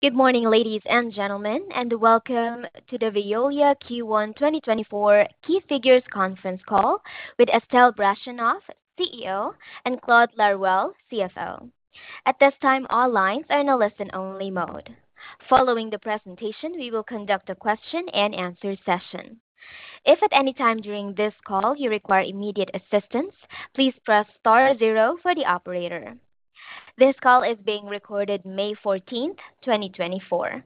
Good morning, ladies and gentlemen, and welcome to the Veolia Q1 2024 Key Figures Conference Call with Estelle Brachlianoff, CEO, and Claude Laruelle, CFO. At this time, all lines are in a listen-only mode. Following the presentation, we will conduct a question-and-answer session. If at any time during this call you require immediate assistance, please press star zero for the operator. This call is being recorded May 14, 2024.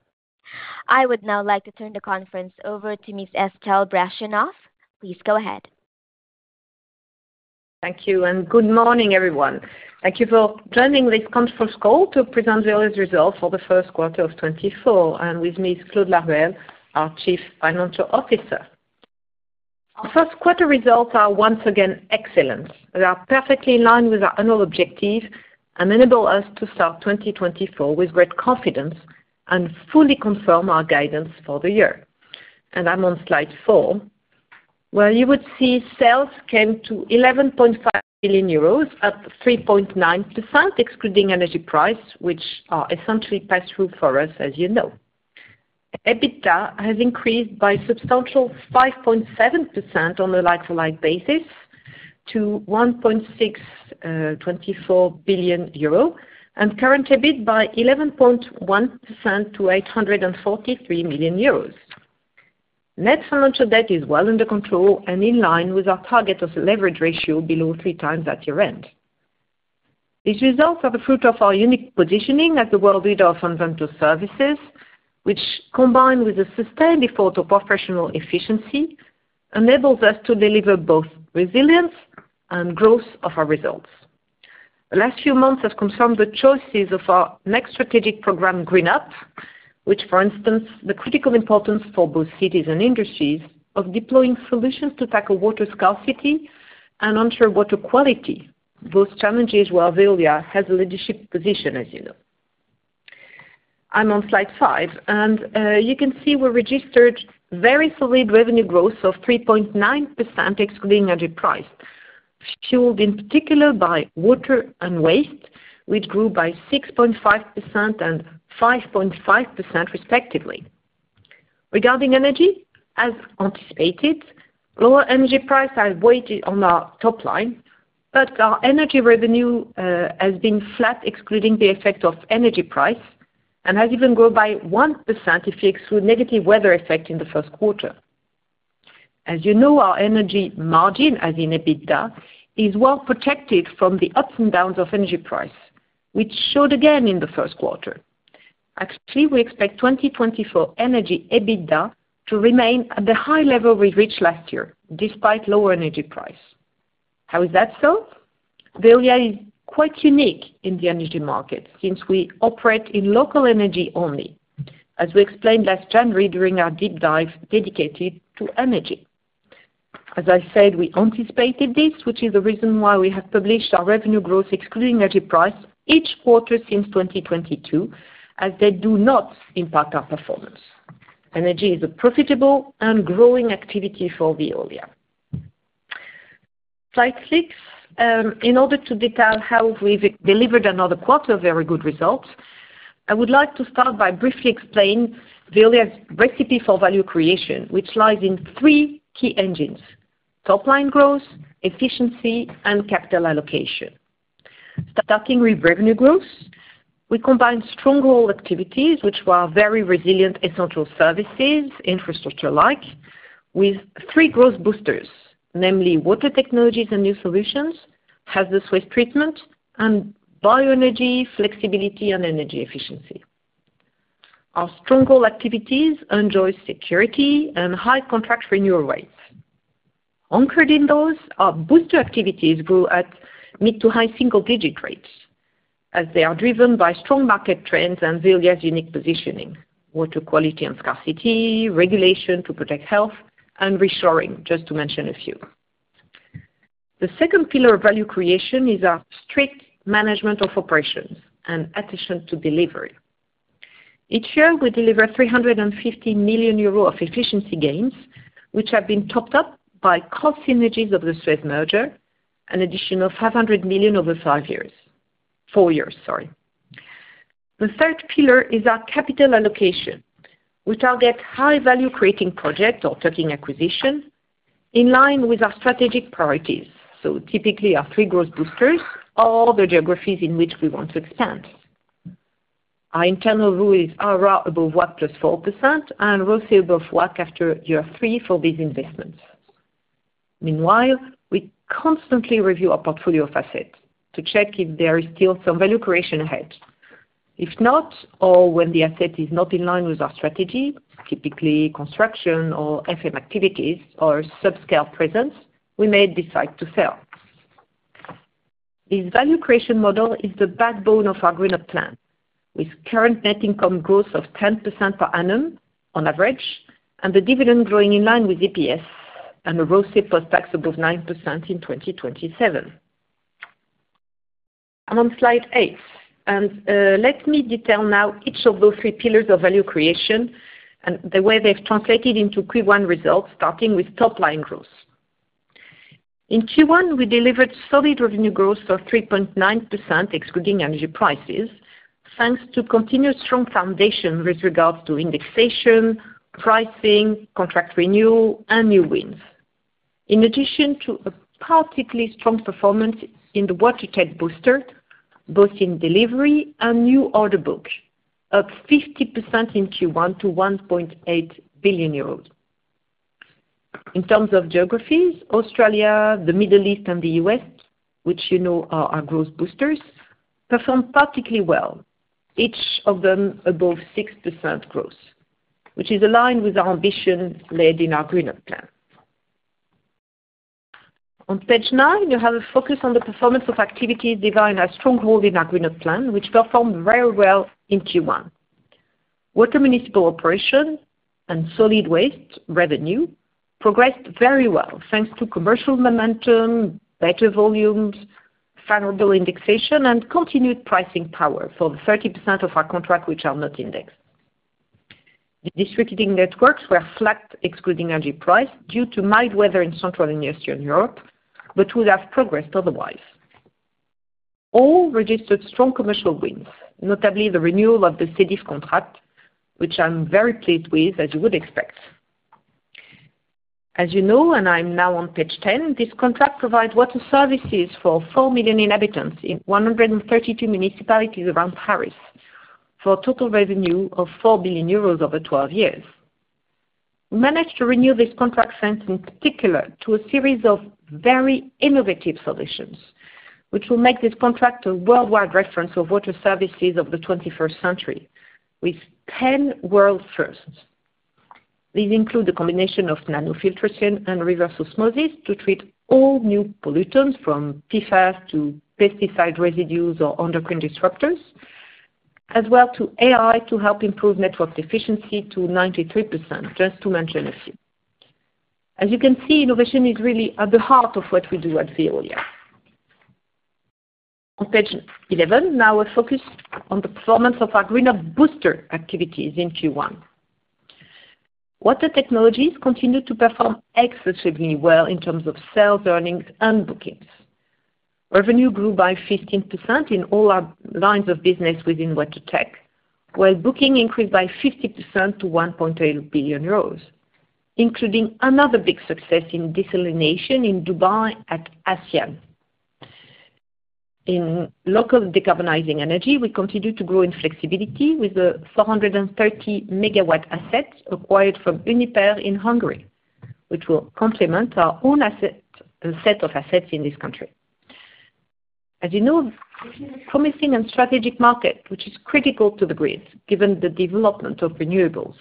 I would now like to turn the conference over to Miss Estelle Brachlianoff. Please go ahead. Thank you, and good morning, everyone. Thank you for joining this conference call to present Veolia's results for the first quarter of 2024, and with me is Claude Laruelle, our Chief Financial Officer. Our first quarter results are once again excellent. They are perfectly in line with our annual objective and enable us to start 2024 with great confidence and fully confirm our guidance for the year. I'm on slide 4, where you would see sales came to 11.5 billion euros at 3.9%, excluding energy price, which are essentially pass-through for us, as you know. EBITDA has increased by substantial 5.7% on a like-for-like basis to 1.624 billion euro and current EBIT by 11.1% to 843 million euros. Net financial debt is well under control and in line with our target of leverage ratio below 3x at year-end. These results are the fruit of our unique positioning as the world leader of environmental services, which, combined with a sustained effort of professional efficiency, enables us to deliver both resilience and growth of our results. The last few months have confirmed the choices of our next strategic program, GreenUp, which, for instance, the critical importance for both cities and industries of deploying solutions to tackle water scarcity and ensure water quality. Those challenges where Veolia has a leadership position, as you know. I'm on slide 5, and, you can see we registered very solid revenue growth of 3.9%, excluding energy price, fueled in particular by water and waste, which grew by 6.5% and 5.5%, respectively. Regarding energy, as anticipated, lower energy prices have weighed on our top line, but our energy revenue has been flat, excluding the effect of energy price, and has even grown by 1% if you exclude negative weather effect in the first quarter. As you know, our energy margin, as in EBITDA, is well protected from the ups and downs of energy price, which showed again in the first quarter. Actually, we expect 2024 energy EBITDA to remain at the high level we reached last year, despite lower energy price. How is that so? Veolia is quite unique in the energy market since we operate in local energy only, as we explained last January during our deep dive dedicated to energy. As I said, we anticipated this, which is the reason why we have published our revenue growth excluding energy price each quarter since 2022, as they do not impact our performance. Energy is a profitable and growing activity for Veolia. Slide 6. In order to detail how we've delivered another quarter of very good results, I would like to start by briefly explaining Veolia's recipe for value creation, which lies in three key engines: top line growth, efficiency, and capital allocation. Starting with revenue growth, we combine stronghold activities, which were very resilient essential services, infrastructure-like, with three growth boosters, namely Water Technologies and new solutions, Hazardous Waste treatment, and bioenergy, flexibility, and energy efficiency. Our stronghold activities enjoy security and high contract renewal rates. Anchored in those, our booster activities grow at mid- to high single-digit rates, as they are driven by strong market trends and Veolia's unique positioning, water quality and scarcity, regulation to protect health and reshoring, just to mention a few. The second pillar of value creation is our strict management of operations and attention to delivery. Each year, we deliver 350 million euro of efficiency gains, which have been topped up by cost synergies of the Suez merger, an additional 500 million over 5 years. 4 years, sorry. The third pillar is our capital allocation, which targets high value-creating projects or taking acquisition in line with our strategic priorities. So typically, our three growth boosters are the geographies in which we want to expand. Our internal rule is IRR above WACC plus 4% and ROCE above WACC after year 3 for these investments. Meanwhile, we constantly review our portfolio of assets to check if there is still some value creation ahead. If not, or when the asset is not in line with our strategy, typically construction or FM activities or subscale presence, we may decide to sell. This value creation model is the backbone of our GreenUp plan, with current net income growth of 10% per annum on average, and the dividend growing in line with EPS and a ROCE post-tax above 9% in 2027. I'm on slide 8, and let me detail now each of those three pillars of value creation and the way they've translated into Q1 results, starting with top-line growth. In Q1, we delivered solid revenue growth of 3.9%, excluding energy prices, thanks to continued strong foundation with regards to indexation, pricing, contract renewal, and new wins. In addition to a particularly strong performance in the Water Tech booster, both in delivery and new order book, up 50% in Q1 to 1.8 billion euros. In terms of geographies, Australia, the Middle East, and the U.S., which you know, are our growth boosters, performed particularly well, each of them above 6% growth, which is aligned with our ambition laid in our GreenUp plan. On page nine, you have a focus on the performance of activities defined as stronghold in our GreenUp plan, which performed very well in Q1. Water municipal operation and solid waste revenue progressed very well, thanks to commercial momentum, better volumes, favorable indexation, and continued pricing power for the 30% of our contract which are not indexed. The district heating networks were flat, excluding energy price, due to mild weather in Central and Eastern Europe, but would have progressed otherwise. All registered strong commercial wins, notably the renewal of the SEDIF contract, which I'm very pleased with, as you would expect. As you know, and I'm now on page ten, this contract provides water services for 4 million inhabitants in 132 municipalities around Paris, for a total revenue of 4 billion euros over 12 years. We managed to renew this contract, thanks, in particular, to a series of very innovative solutions, which will make this contract a worldwide reference for water services of the 21st century with 10 world-firsts. These include the combination of nanofiltration and reverse osmosis to treat all new pollutants, from PFAS to pesticide residues or endocrine disruptors, as well to AI to help improve network efficiency to 93%, just to mention a few. As you can see, innovation is really at the heart of what we do at Veolia. On page eleven, now a focus on the performance of our GreenUp booster activities in Q1. Water Technologies continued to perform exceptionally well in terms of sales, earnings, and bookings. Revenue grew by 15% in all our lines of business within Water Tech, while booking increased by 50% to 1.8 billion euros, including another big success in desalination in Dubai at Hassyan. In local decarbonizing energy, we continue to grow in flexibility with the 430 MW assets acquired from Uniper in Hungary, which will complement our own asset, set of assets in this country. As you know, promising and strategic market, which is critical to the grid, given the development of renewables.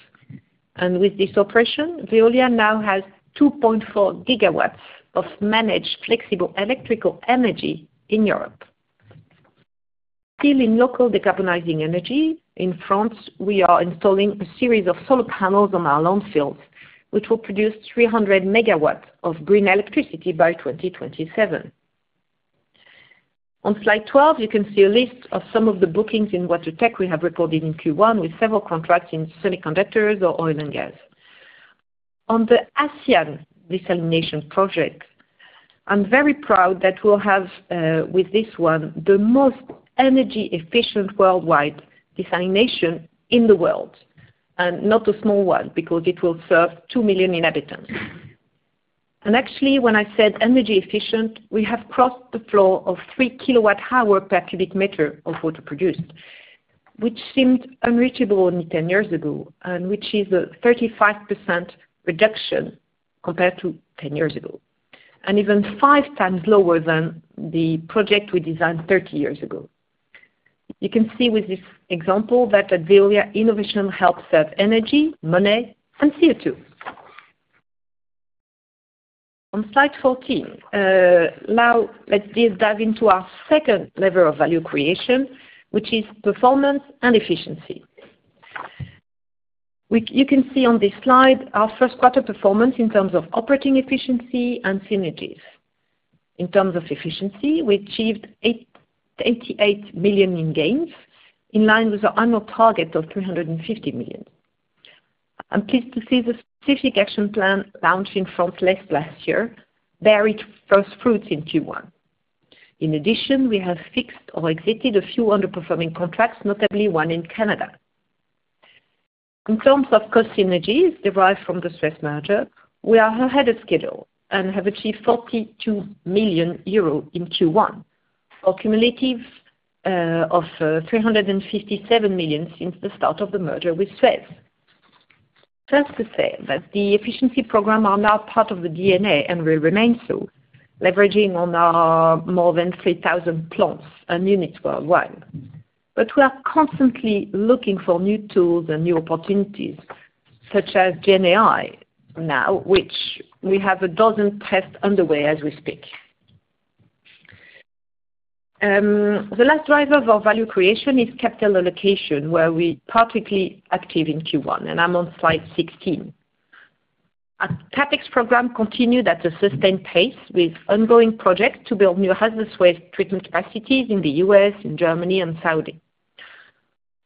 And with this operation, Veolia now has 2.4 GW of managed flexible electrical energy in Europe. Still in local decarbonizing energy, in France, we are installing a series of solar panels on our landfills, which will produce 300 MW of green electricity by 2027. On slide 12, you can see a list of some of the bookings in Water Tech we have recorded in Q1, with several contracts in semiconductors or oil and gas. On the Hassyan desalination project, I'm very proud that we'll have, with this one, the most energy efficient worldwide desalination in the world, and not a small one, because it will serve 2 million inhabitants. And actually, when I said energy efficient, we have crossed the floor of 3 kWh per cubic meter of water produced, which seemed unreachable only 10 years ago, and which is a 35% reduction compared to 10 years ago, and even five times lower than the project we designed 30 years ago. You can see with this example that at Veolia, innovation helps save energy, money, and CO2. On slide 14, now let's deep dive into our second level of value creation, which is performance and efficiency. You can see on this slide our first quarter performance in terms of operating efficiency and synergies. In terms of efficiency, we achieved 88 million in gains, in line with our annual target of 350 million. I'm pleased to see the specific action plan launched in France last year bear its first fruits in Q1. In addition, we have fixed or exited a few underperforming contracts, notably one in Canada. In terms of cost synergies derived from the Suez merger, we are ahead of schedule and have achieved 42 million euro in Q1, or cumulative, of 357 million since the start of the merger with Suez. Just to say that the efficiency program are now part of the DNA and will remain so, leveraging on our more than 3,000 plants and units worldwide. But we are constantly looking for new tools and new opportunities, such as GenAI now, which we have 12 tests underway as we speak. The last driver of our value creation is capital allocation, where we're particularly active in Q1, and I'm on slide 16. Our CapEx program continued at a sustained pace, with ongoing projects to build new Hazardous Waste treatment capacities in the U.S., in Germany, and Saudi.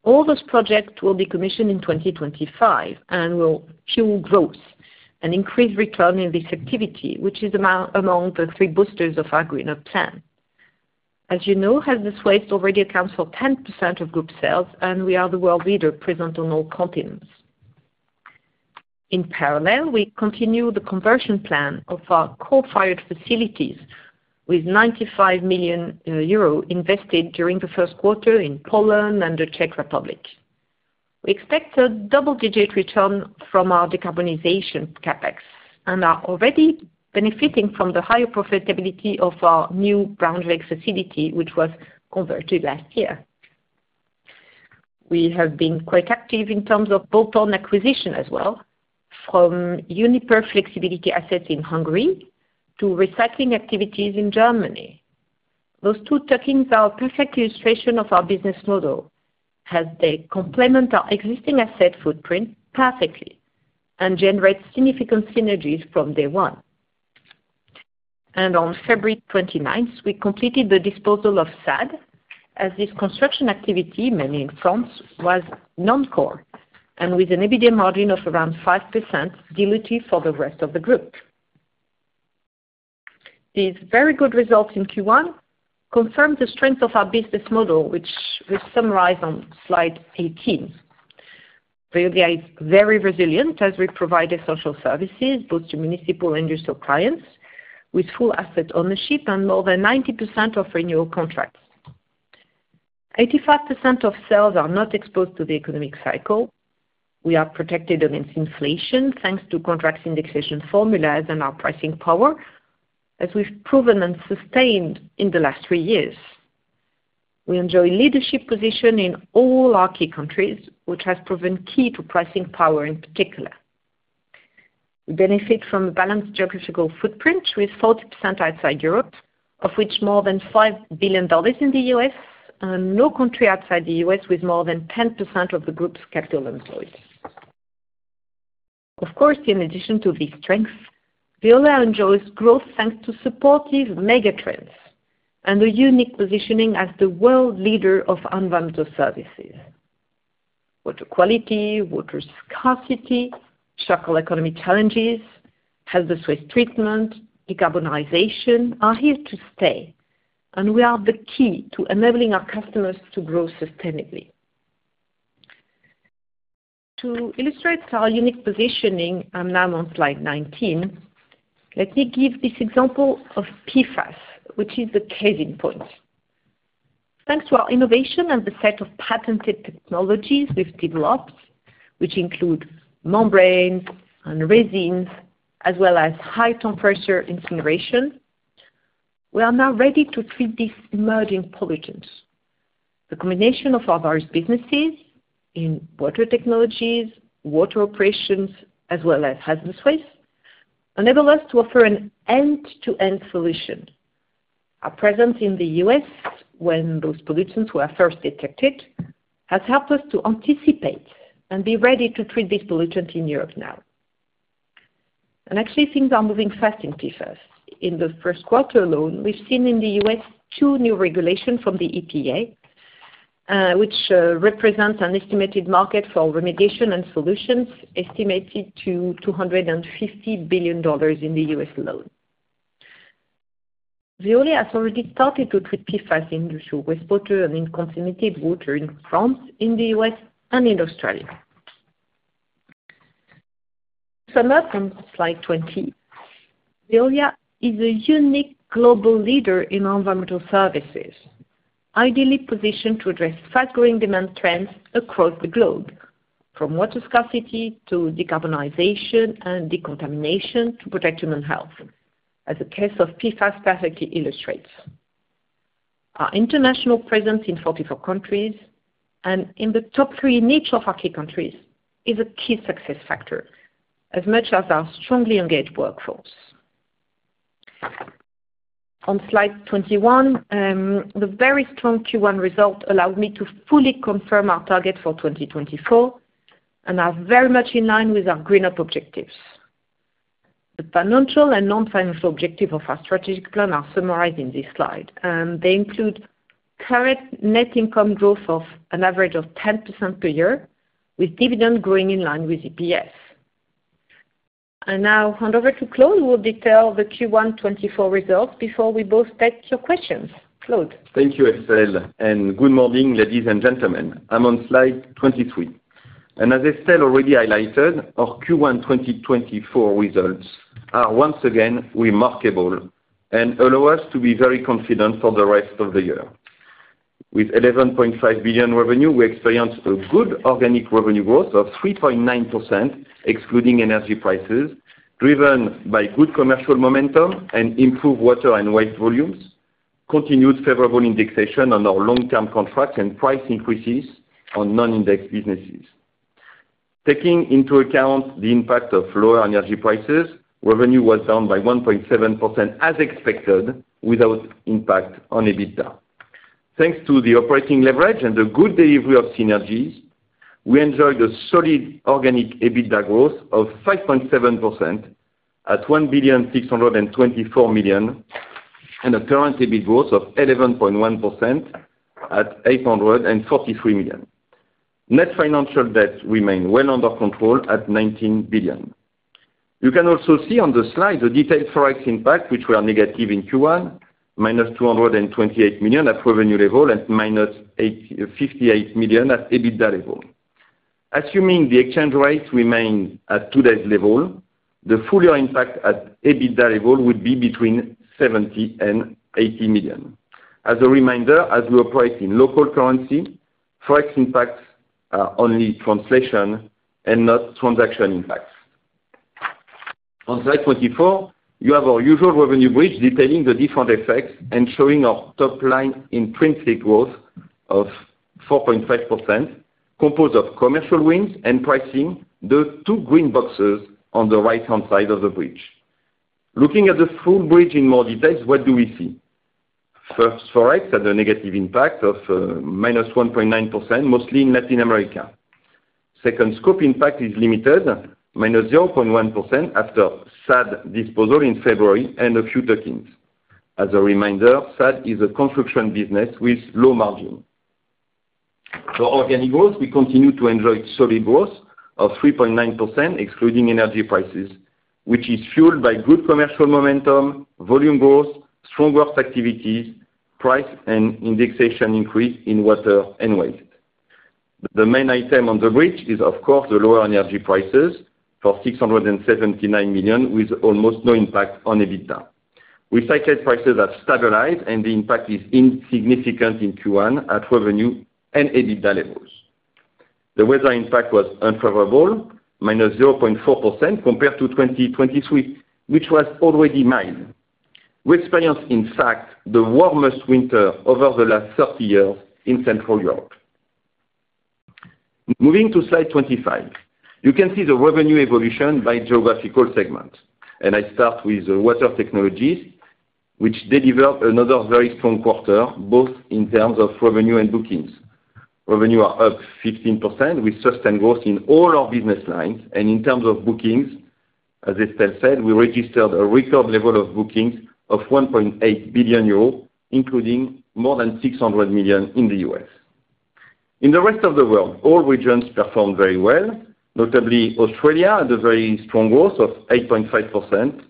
All those projects will be commissioned in 2025 and will fuel growth and increase return in this activity, which is among, among the three boosters of our GreenUp plan. As you know, Hazardous Waste already accounts for 10% of group sales, and we are the world leader present on all continents. In parallel, we continue the conversion plan of our coal-fired facilities with 95 million euro invested during the first quarter in Poland and the Czech Republic. We expect a double-digit return from our decarbonization CapEx and are already benefiting from the higher profitability of our Braunschweig facility, which was converted last year. We have been quite active in terms of bolt-on acquisition as well, from Uniper flexibility assets in Hungary to recycling activities in Germany. Those two tuck-ins are a perfect illustration of our business model, as they complement our existing asset footprint perfectly and generate significant synergies from day one. On February 29th, we completed the disposal of SADE, as this construction activity, mainly in France, was non-core and with an EBITDA margin of around 5% dilutive for the rest of the group. These very good results in Q1 confirm the strength of our business model, which we summarize on slide 18. Veolia is very resilient as we provide essential services, both to municipal and industrial clients, with full asset ownership and more than 90% of renewal contracts. 85% of sales are not exposed to the economic cycle. We are protected against inflation, thanks to contract indexation formulas and our pricing power, as we've proven and sustained in the last 3 years. We enjoy leadership position in all our key countries, which has proven key to pricing power in particular. We benefit from a balanced geographical footprint, with 40% outside Europe, of which more than $5 billion in the U.S., and no country outside the U.S. with more than 10% of the group's capital employed. Of course, in addition to these strengths, Veolia enjoys growth thanks to supportive mega trends and a unique positioning as the world leader of environmental services. Water quality, water scarcity, circular economy challenges, Hazardous Waste treatment, decarbonization are here to stay, and we are the key to enabling our customers to grow sustainably. To illustrate our unique positioning, I'm now on slide 19, let me give this example of PFAS, which is the case in point. Thanks to our innovation and the set of patented technologies we've developed, which include membranes and resins, as well as high temperature incineration, we are now ready to treat these emerging pollutants. The combination of our various businesses in Water Technologies, water operations, as well as Hazardous Waste, enable us to offer an end-to-end solution. Our presence in the U.S., when those pollutants were first detected, has helped us to anticipate and be ready to treat these pollutants in Europe now. And actually, things are moving fast in PFAS. In the first quarter alone, we've seen in the U.S. two new regulation from the EPA, which represents an estimated market for remediation and solutions estimated to $250 billion in the U.S. alone. Veolia has already started to treat PFAS in industrial wastewater and in contaminated water in France, in the U.S., and in Australia. To sum up, on slide 20, Veolia is a unique global leader in environmental services, ideally positioned to address fast-growing demand trends across the globe, from water scarcity to decarbonization and decontamination to protect human health, as the case of PFAS perfectly illustrates. Our international presence in 44 countries and in the top three in each of our key countries is a key success factor, as much as our strongly engaged workforce. On slide 21, the very strong Q1 result allowed me to fully confirm our target for 2024 and are very much in line with our GreenUp objectives. The financial and non-financial objective of our strategic plan are summarized in this slide, and they include current net income growth of an average of 10% per year, with dividend growing in line with EPS. Now I'll hand over to Claude, who will detail the Q1 2024 results before we both take your questions. Claude? Thank you, Estelle, and good morning, ladies and gentlemen. I'm on slide 23. As Estelle already highlighted, our Q1 2024 results are once again remarkable and allow us to be very confident for the rest of the year. With 11.5 billion revenue, we experienced a good organic revenue growth of 3.9%, excluding energy prices, driven by good commercial momentum and improved water and waste volumes, continued favorable indexation on our long-term contracts, and price increases on non-indexed businesses. Taking into account the impact of lower energy prices, revenue was down by 1.7%, as expected, without impact on EBITDA. Thanks to the operating leverage and the good delivery of synergies, we enjoyed a solid organic EBITDA growth of 5.7% at 1.624 billion and a current EBIT growth of 11.1% at 843 million. Net financial debt remain well under control at 19 billion. You can also see on the slide the detailed forex impact, which were negative in Q1, -228 million at revenue level, and -58 million at EBITDA level. Assuming the exchange rates remain at today's level, the full year impact at EBITDA level would be between 70 million and 80 million. As a reminder, as we operate in local currency, forex impacts are only translation and not transaction impacts. On slide 24, you have our usual revenue bridge detailing the different effects and showing our top line in intrinsic growth of 4.5%, composed of commercial wins and pricing, the two green boxes on the right-hand side of the bridge. Looking at the full bridge in more details, what do we see? First, forex had a negative impact of minus 1.9%, mostly in Latin America. Second, scope impact is limited, minus 0.1% after SADE disposal in February and a few tokens. As a reminder, SADE is a construction business with low margin. For organic growth, we continue to enjoy solid growth of 3.9%, excluding energy prices, which is fueled by good commercial momentum, volume growth, strong growth activities, price and indexation increase in water and waste. The main item on the bridge is, of course, the lower energy prices for 679 million, with almost no impact on EBITDA. Recycle prices have stabilized, and the impact is insignificant in Q1 at revenue and EBITDA levels. The weather impact was unfavorable, -0.4% compared to 2023, which was already mild. We experienced, in fact, the warmest winter over the last 30 years in Central Europe. Moving to slide 25, you can see the revenue evolution by geographical segment, and I start with Water Technologies, which delivered another very strong quarter, both in terms of revenue and bookings. Revenue are up 15%, with sustained growth in all our business lines, and in terms of bookings, as Estelle said, we registered a record level of bookings of 1.8 billion euro, including more than 600 million in the U.S. In the rest of the world, all regions performed very well, notably Australia, at a very strong growth of 8.5%,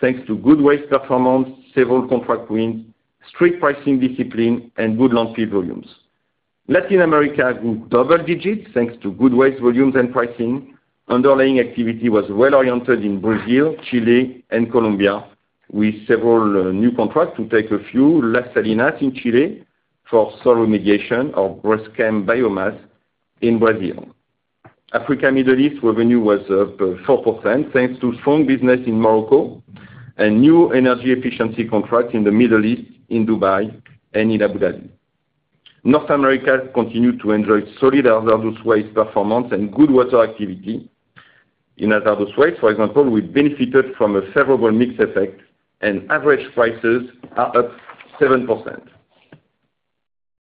thanks to good waste performance, several contract wins, strict pricing discipline, and good landfill volumes. Latin America grew double digits, thanks to good waste volumes and pricing. Underlying activity was well-oriented in Brazil, Chile, and Colombia, with several new contracts to name a few: Las Salinas in Chile for soil remediation or Braskem biomass in Brazil. Africa, Middle East revenue was up 4%, thanks to strong business in Morocco and new energy efficiency contracts in the Middle East, in Dubai and in Abu Dhabi. North America continued to enjoy solid Hazardous Waste performance and good water activity. In Hazardous Waste, for example, we benefited from a favorable mix effect, and average prices are up 7%.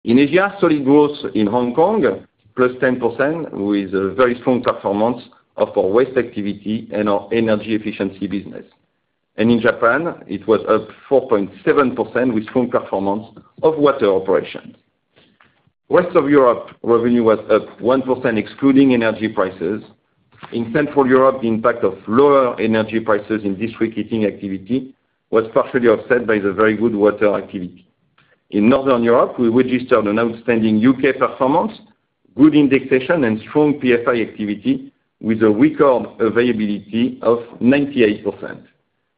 In Asia, solid growth in Hong Kong, +10%, with a very strong performance of our waste activity and our energy efficiency business. And in Japan, it was up 4.7% with strong performance of water operations. Western Europe, revenue was up 1%, excluding energy prices. In Central Europe, the impact of lower energy prices in district heating activity was partially offset by the very good water activity. In Northern Europe, we registered an outstanding UK performance, good indexation, and strong PFI activity, with a record availability of 98%.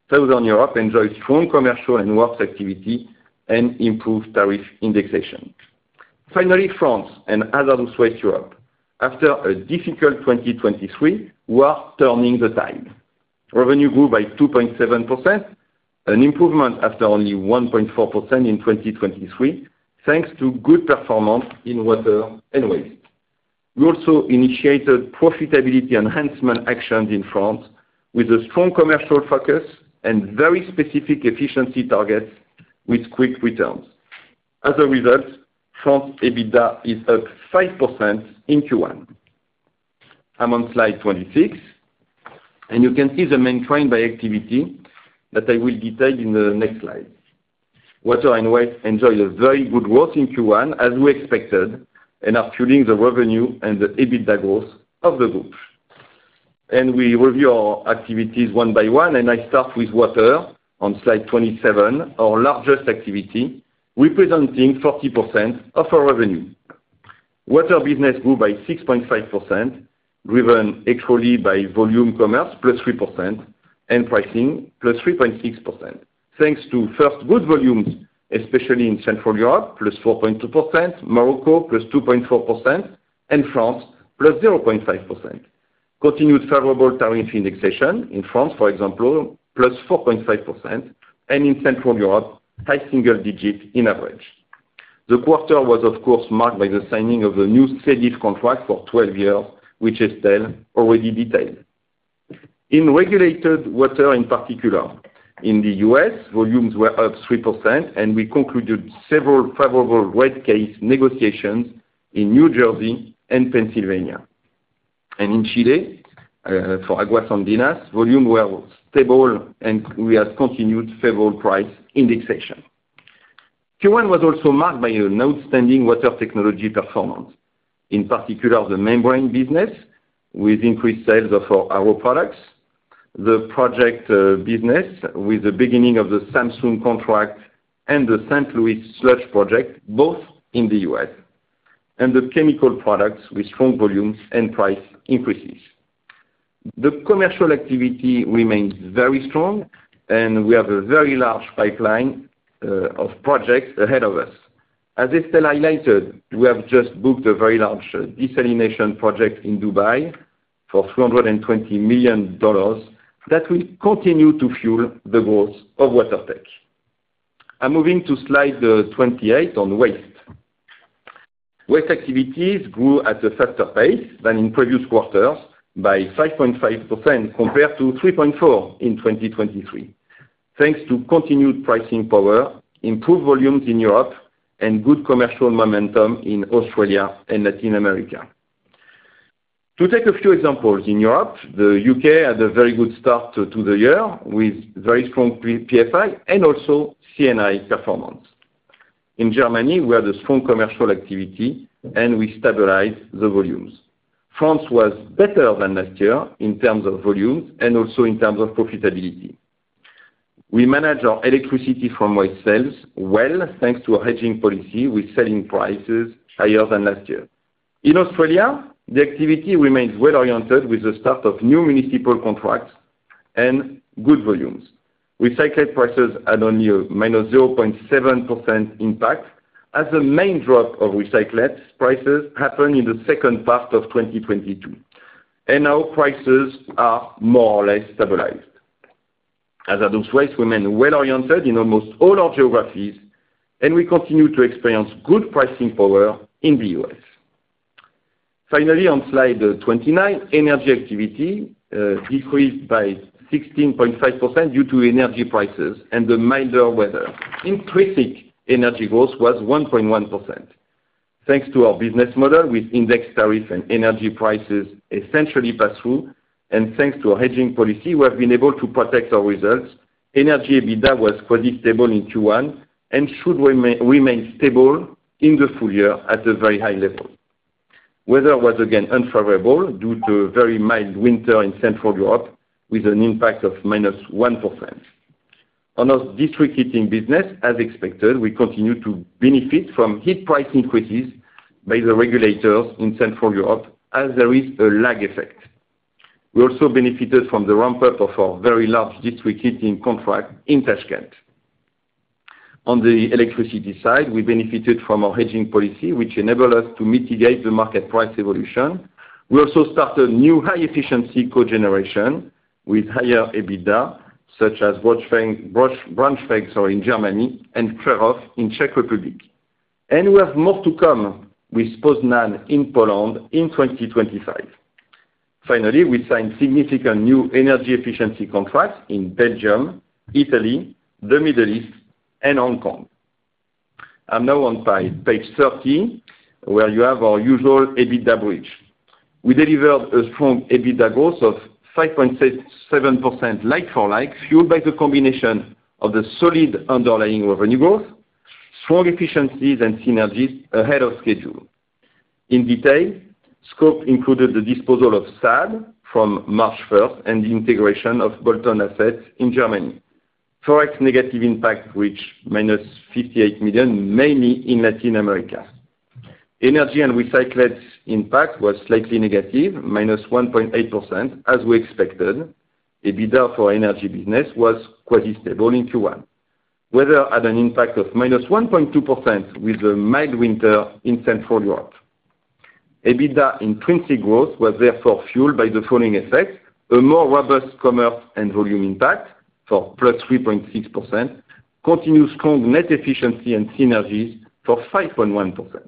Southern Europe enjoyed strong commercial and works activity and improved tariff indexation. Finally, France and other Western Europe, after a difficult 2023, we are turning the tide. Revenue grew by 2.7%, an improvement after only 1.4% in 2023, thanks to good performance in water and waste. We also initiated profitability enhancement actions in France with a strong commercial focus and very specific efficiency targets with quick returns. As a result, France EBITDA is up 5% in Q1. I'm on slide 26, and you can see the main trend by activity that I will detail in the next slide. Water and waste enjoy a very good growth in Q1, as we expected, and are fueling the revenue and the EBITDA growth of the group. We review our activities one by one, and I start with water on slide 27, our largest activity, representing 40% of our revenue. Water business grew by 6.5%, driven equally by volume commerce +3%, and pricing +3.6%, thanks to, first, good volumes, especially in Central Europe +4.2%, Morocco +2.4%, and France +0.5%. Continued favorable tariff indexation in France, for example, +4.5%, and in Central Europe, high single digits on average. The quarter was, of course, marked by the signing of the new SEDIF contract for 12 years, which Estelle already detailed. In regulated water, in particular, in the U.S., volumes were up 3%, and we concluded several favorable rate case negotiations in New Jersey and Pennsylvania, and in Chile, for Aguas Andinas, volumes were stable, and we had continued favorable price indexation. Q1 was also marked by an outstanding Water Technology performance, in particular, the membrane business, with increased sales of our RO products, the project business with the beginning of the Samsung contract and the St. Louis sludge project, both in the U.S., and the chemical products with strong volumes and price increases. The commercial activity remains very strong, and we have a very large pipeline of projects ahead of us. As I highlighted, we have just booked a very large desalination project in Dubai for $220 million that will continue to fuel the growth of Water Tech. I'm moving to slide 28 on waste. Waste activities grew at a faster pace than in previous quarters by 5.5% compared to 3.4 in 2023. Thanks to continued pricing power, improved volumes in Europe, and good commercial momentum in Australia and Latin America. To take a few examples, in Europe, the U.K. had a very good start to the year with very strong PFI and also C&I performance. In Germany, we had a strong commercial activity, and we stabilized the volumes. France was better than last year in terms of volumes and also in terms of profitability. We manage our electricity from waste sales well, thanks to a hedging policy with selling prices higher than last year. In Australia, the activity remains well-oriented with the start of new municipal contracts and good volumes. Recycle prices had only a -0.7% impact, as the main drop of recyclates prices happened in the second part of 2022, and now prices are more or less stabilized. Hazardous waste remain well-oriented in almost all our geographies, and we continue to experience good pricing power in the U.S. Finally, on slide 29, energy activity decreased by 16.5% due to energy prices and the milder weather. Intrinsic energy growth was 1.1%. Thanks to our business model with index tariffs and energy prices essentially pass through, and thanks to our hedging policy, we have been able to protect our results. Energy EBITDA was quite stable in Q1 and should remain stable in the full year at a very high level. Weather was again unfavorable due to a very mild winter in Central Europe, with an impact of -1%. On our district heating business, as expected, we continue to benefit from heat price increases by the regulators in Central Europe as there is a lag effect. We also benefited from the ramp-up of our very large district heating contract in Tashkent. On the electricity side, we benefited from our hedging policy, which enabled us to mitigate the market price evolution. We also started new high-efficiency cogeneration with higher EBITDA, such as Braunschweig in Germany and Přerov in Czech Republic, and we have more to come with Poznań in Poland in 2025. Finally, we signed significant new energy efficiency contracts in Belgium, Italy, the Middle East, and Hong Kong. I'm now on page 13, where you have our usual EBITDA bridge. We delivered a strong EBITDA growth of 5.67% like-for-like, fueled by the combination of the solid underlying revenue growth, strong efficiencies and synergies ahead of schedule. In detail, scope included the disposal of SADE from March 1 and the integration of bolt-on assets in Germany. Forex negative impact reached -58 million, mainly in Latin America. Energy and recyclates impact was slightly negative, -1.8%, as we expected. EBITDA for energy business was quite stable in Q1. Weather had an impact of -1.2%, with a mild winter in Central Europe. EBITDA intrinsic growth was therefore fueled by the following effects: a more robust commercial and volume impact for +3.6%, continued strong net efficiency and synergies for 5.1%.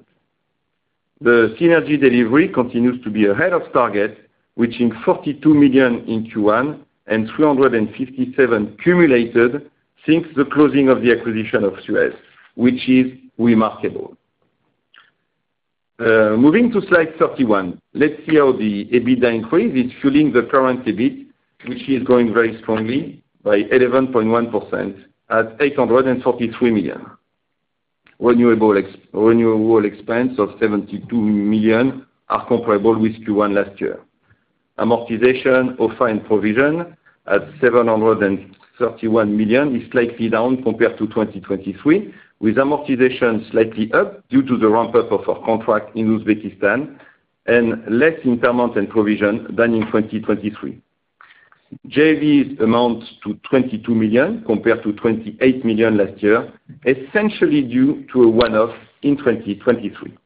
The synergy delivery continues to be ahead of target, reaching 42 million in Q1 and 357 million cumulated since the closing of the acquisition of Suez, which is remarkable. Moving to slide 31, let's see how the EBITDA increase is fueling the current EBIT, which is growing very strongly by 11.1% at 843 million. Renewable expense of 72 million are comparable with Q1 last year. Amortization OFA, and provision at 731 million is slightly down compared to 2023, with amortization slightly up due to the ramp-up of our contract in Uzbekistan and less impairment and provision than in 2023. JVs amounts to 22 million, compared to 28 million last year, essentially due to a one-off in 2023.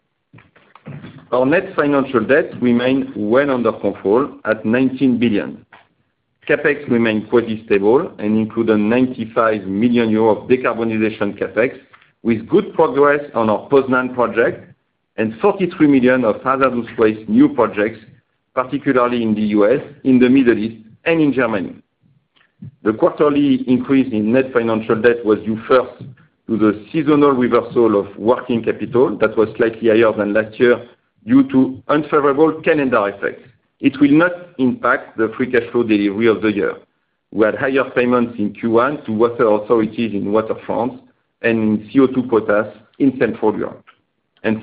Our net financial debt remains well under control at 19 billion. CapEx remains quite stable and include a 95 million euros of decarbonization CapEx, with good progress on our Poznań project and 43 million of Hazardous Waste new projects, particularly in the U.S., in the Middle East, and in Germany. The quarterly increase in net financial debt was due first to the seasonal reversal of working capital that was slightly higher than last year due to unfavorable calendar effects. It will not impact the free cash flow delivery of the year. We had higher payments in Q1 to water authorities in Water France and CO2 quotas in Central Europe.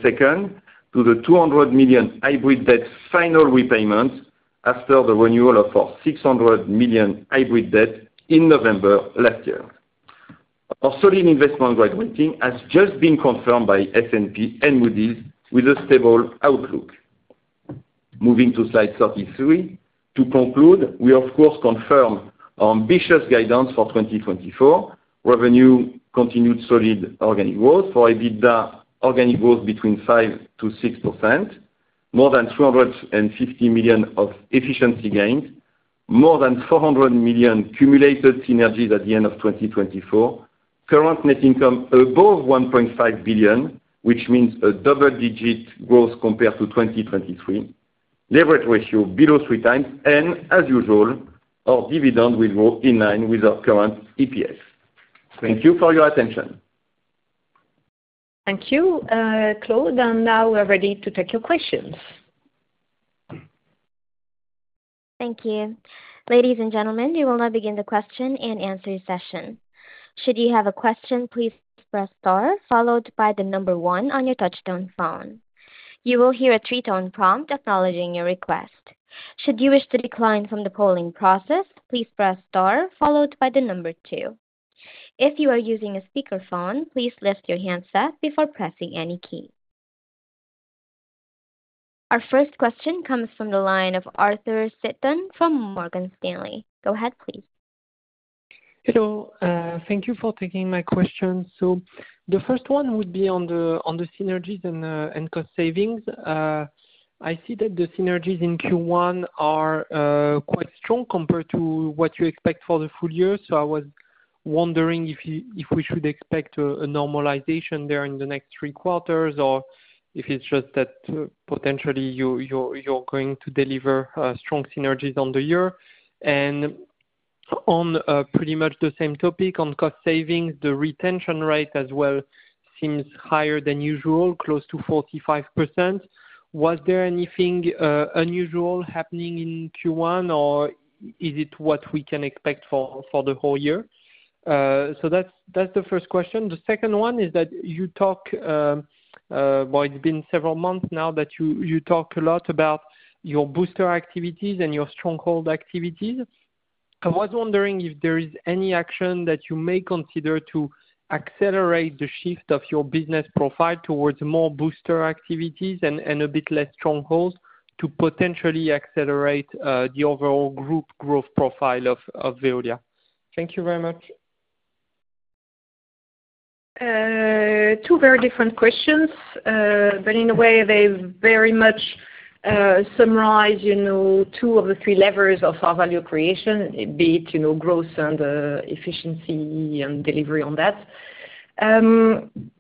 Second, to the 200 million hybrid debt final repayments after the renewal of our 600 million hybrid debt in November last year. Our solid investment grade rating has just been confirmed by S&P and Moody's with a stable outlook. Moving to slide 33. To conclude, we of course confirm our ambitious guidance for 2024. Revenue continued solid organic growth. For EBITDA, organic growth between 5%-6%. More than 350 million of efficiency gains. More than 400 million cumulative synergies at the end of 2024. Current net income above 1.5 billion, which means a double-digit growth compared to 2023. Leverage ratio below 3x, and as usual, our dividend will grow in line with our current EPS. Thank you for your attention. Thank you, Claude. Now we're ready to take your questions. Thank you. Ladies and gentlemen, we will now begin the question and answer session. Should you have a question, please press star followed by the number one on your touch-tone phone. You will hear a three-tone prompt acknowledging your request. Should you wish to decline from the polling process, please press star followed by the number two. If you are using a speakerphone, please lift your handset before pressing any key. Our first question comes from the line of Arthur Sitbon from Morgan Stanley. Go ahead, please. Hello, thank you for taking my question. So the first one would be on the synergies and cost savings. I see that the synergies in Q1 are quite strong compared to what you expect for the full year. So I was wondering if we should expect a normalization there in the next three quarters, or if it's just that potentially you're going to deliver strong synergies on the year. And on pretty much the same topic, on cost savings, the retention rate as well seems higher than usual, close to 45%. Was there anything unusual happening in Q1, or is it what we can expect for the whole year? So that's the first question. The second one is that you talk, well, it's been several months now that you talk a lot about your booster activities and your stronghold activities. I was wondering if there is any action that you may consider to accelerate the shift of your business profile towards more booster activities and a bit less strongholds to potentially accelerate the overall group growth profile of Veolia. Thank you very much. Two very different questions, but in a way, they very much summarize, you know, two of the three levers of our value creation, be it, you know, growth and efficiency and delivery on that. Starting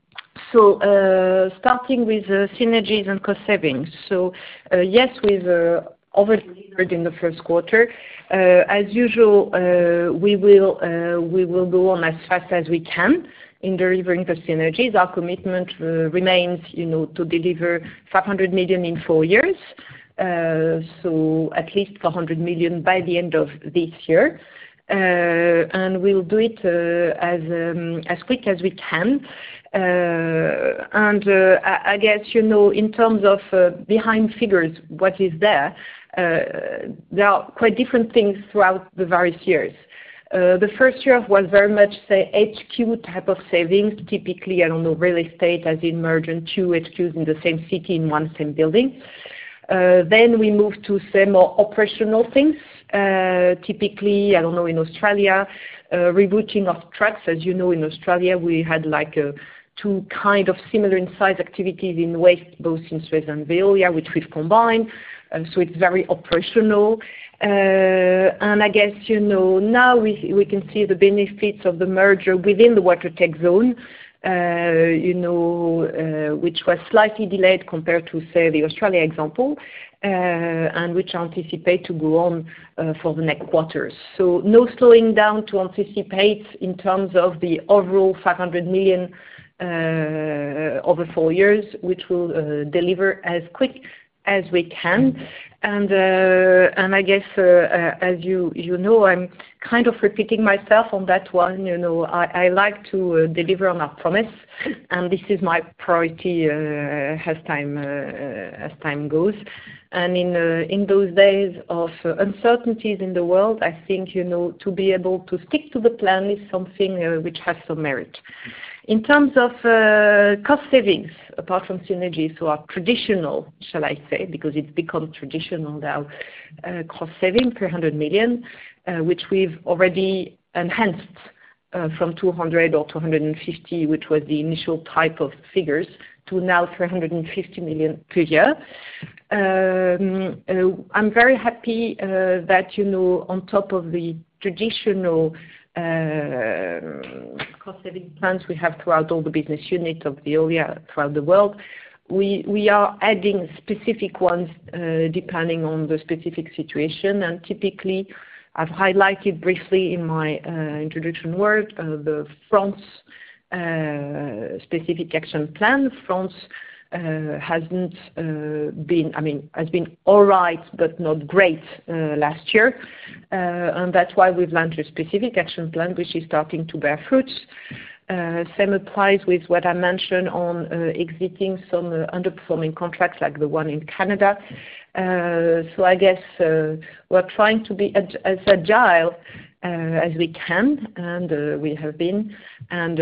with synergies and cost savings. Yes, we've over-delivered in the first quarter. As usual, we will go on as fast as we can in delivering the synergies. Our commitment remains, you know, to deliver 500 million in four years, so at least 400 million by the end of this year. We'll do it as quick as we can. I guess, you know, in terms of behind figures, what is there, there are quite different things throughout the various years. The first year was very much, say, HQ type of savings. Typically, I don't know, real estate, as in merging two HQs in the same city in one same building. Then we moved to, say, more operational things. Typically, I don't know, in Australia, rebooting of trucks. As you know, in Australia, we had, like, two kind of similar in size activities in waste, both in Suez and Veolia, which we've combined. So it's very operational. And I guess, you know, now we can see the benefits of the merger within the Water Tech zone, you know, which was slightly delayed compared to, say, the Australia example, and which anticipate to go on for the next quarters. So no slowing down to anticipate in terms of the overall 500 million over four years, which we'll deliver as quick as we can. And I guess, as you, you know, I'm kind of repeating myself on that one. You know, I like to deliver on our promise, and this is my priority as time goes. And in those days of uncertainties in the world, I think, you know, to be able to stick to the plan is something which has some merit. In terms of cost savings, apart from synergies, so are traditional, shall I say, because it's become traditional now, cost saving per 100 million, which we've already enhanced, from 200 million or 250 million, which was the initial type of figures, to now 350 million per year. I'm very happy, that, you know, on top of the traditional cost saving plans we have throughout all the business units of Veolia, throughout the world. We, we are adding specific ones, depending on the specific situation. And typically, I've highlighted briefly in my introduction work, the France specific action plan. France hasn't been, I mean, has been all right, but not great, last year. And that's why we've launched a specific action plan which is starting to bear fruit. Same applies with what I mentioned on exiting some underperforming contracts like the one in Canada. So I guess we're trying to be as agile as we can, and we have been. And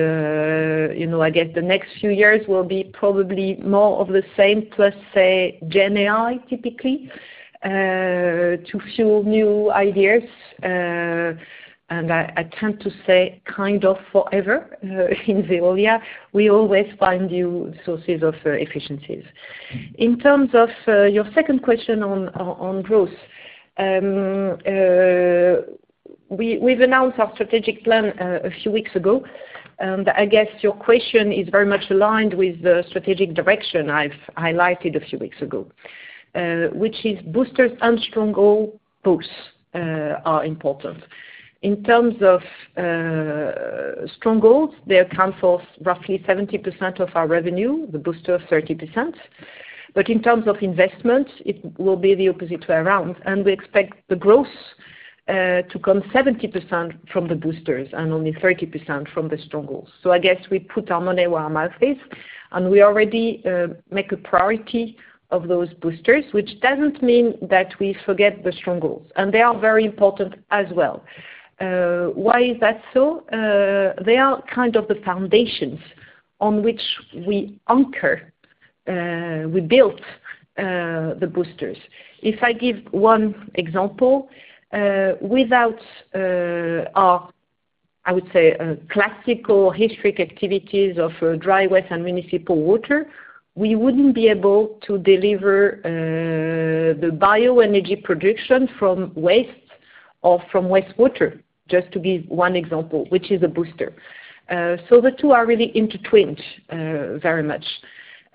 you know, I guess the next few years will be probably more of the same, plus say GenAI typically to fuel new ideas. And I tend to say kind of forever in Veolia, we always find new sources of efficiencies. In terms of your second question on growth. We've announced our strategic plan a few weeks ago, and I guess your question is very much aligned with the strategic direction I've highlighted a few weeks ago, which is boosters and strongholds, both are important. In terms of strongholds, they account for roughly 70% of our revenue, the boosters 30%. But in terms of investment, it will be the opposite way around, and we expect the growth to come 70% from the boosters and only 30% from the strongholds. So I guess we put our money where our mouth is, and we already make a priority of those boosters, which doesn't mean that we forget the strongholds, and they are very important as well. Why is that so? They are kind of the foundations on which we anchor, we built, the boosters. If I give one example, without our, I would say, classical historic activities of solid waste and municipal water, we wouldn't be able to deliver the bioenergy production from waste or from wastewater, just to give one example, which is a booster. So the two are really intertwined very much.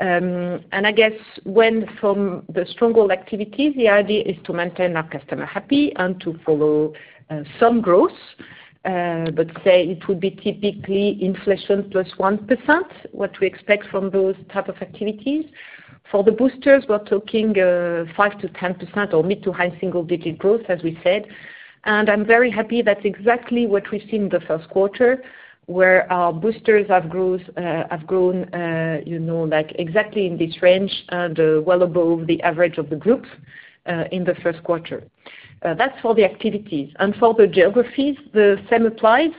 And I guess when from the stronghold activities, the idea is to maintain our customer happy and to follow some growth, but say it would be typically inflation plus 1%, what we expect from those type of activities. For the boosters, we're talking 5%-10%, or mid-to-high single-digit growth, as we said. And I'm very happy that's exactly what we've seen in the first quarter, where our boosters have grown, you know, like exactly in this range and well above the average of the groups in the first quarter. That's for the activities. And for the geographies, the same applies.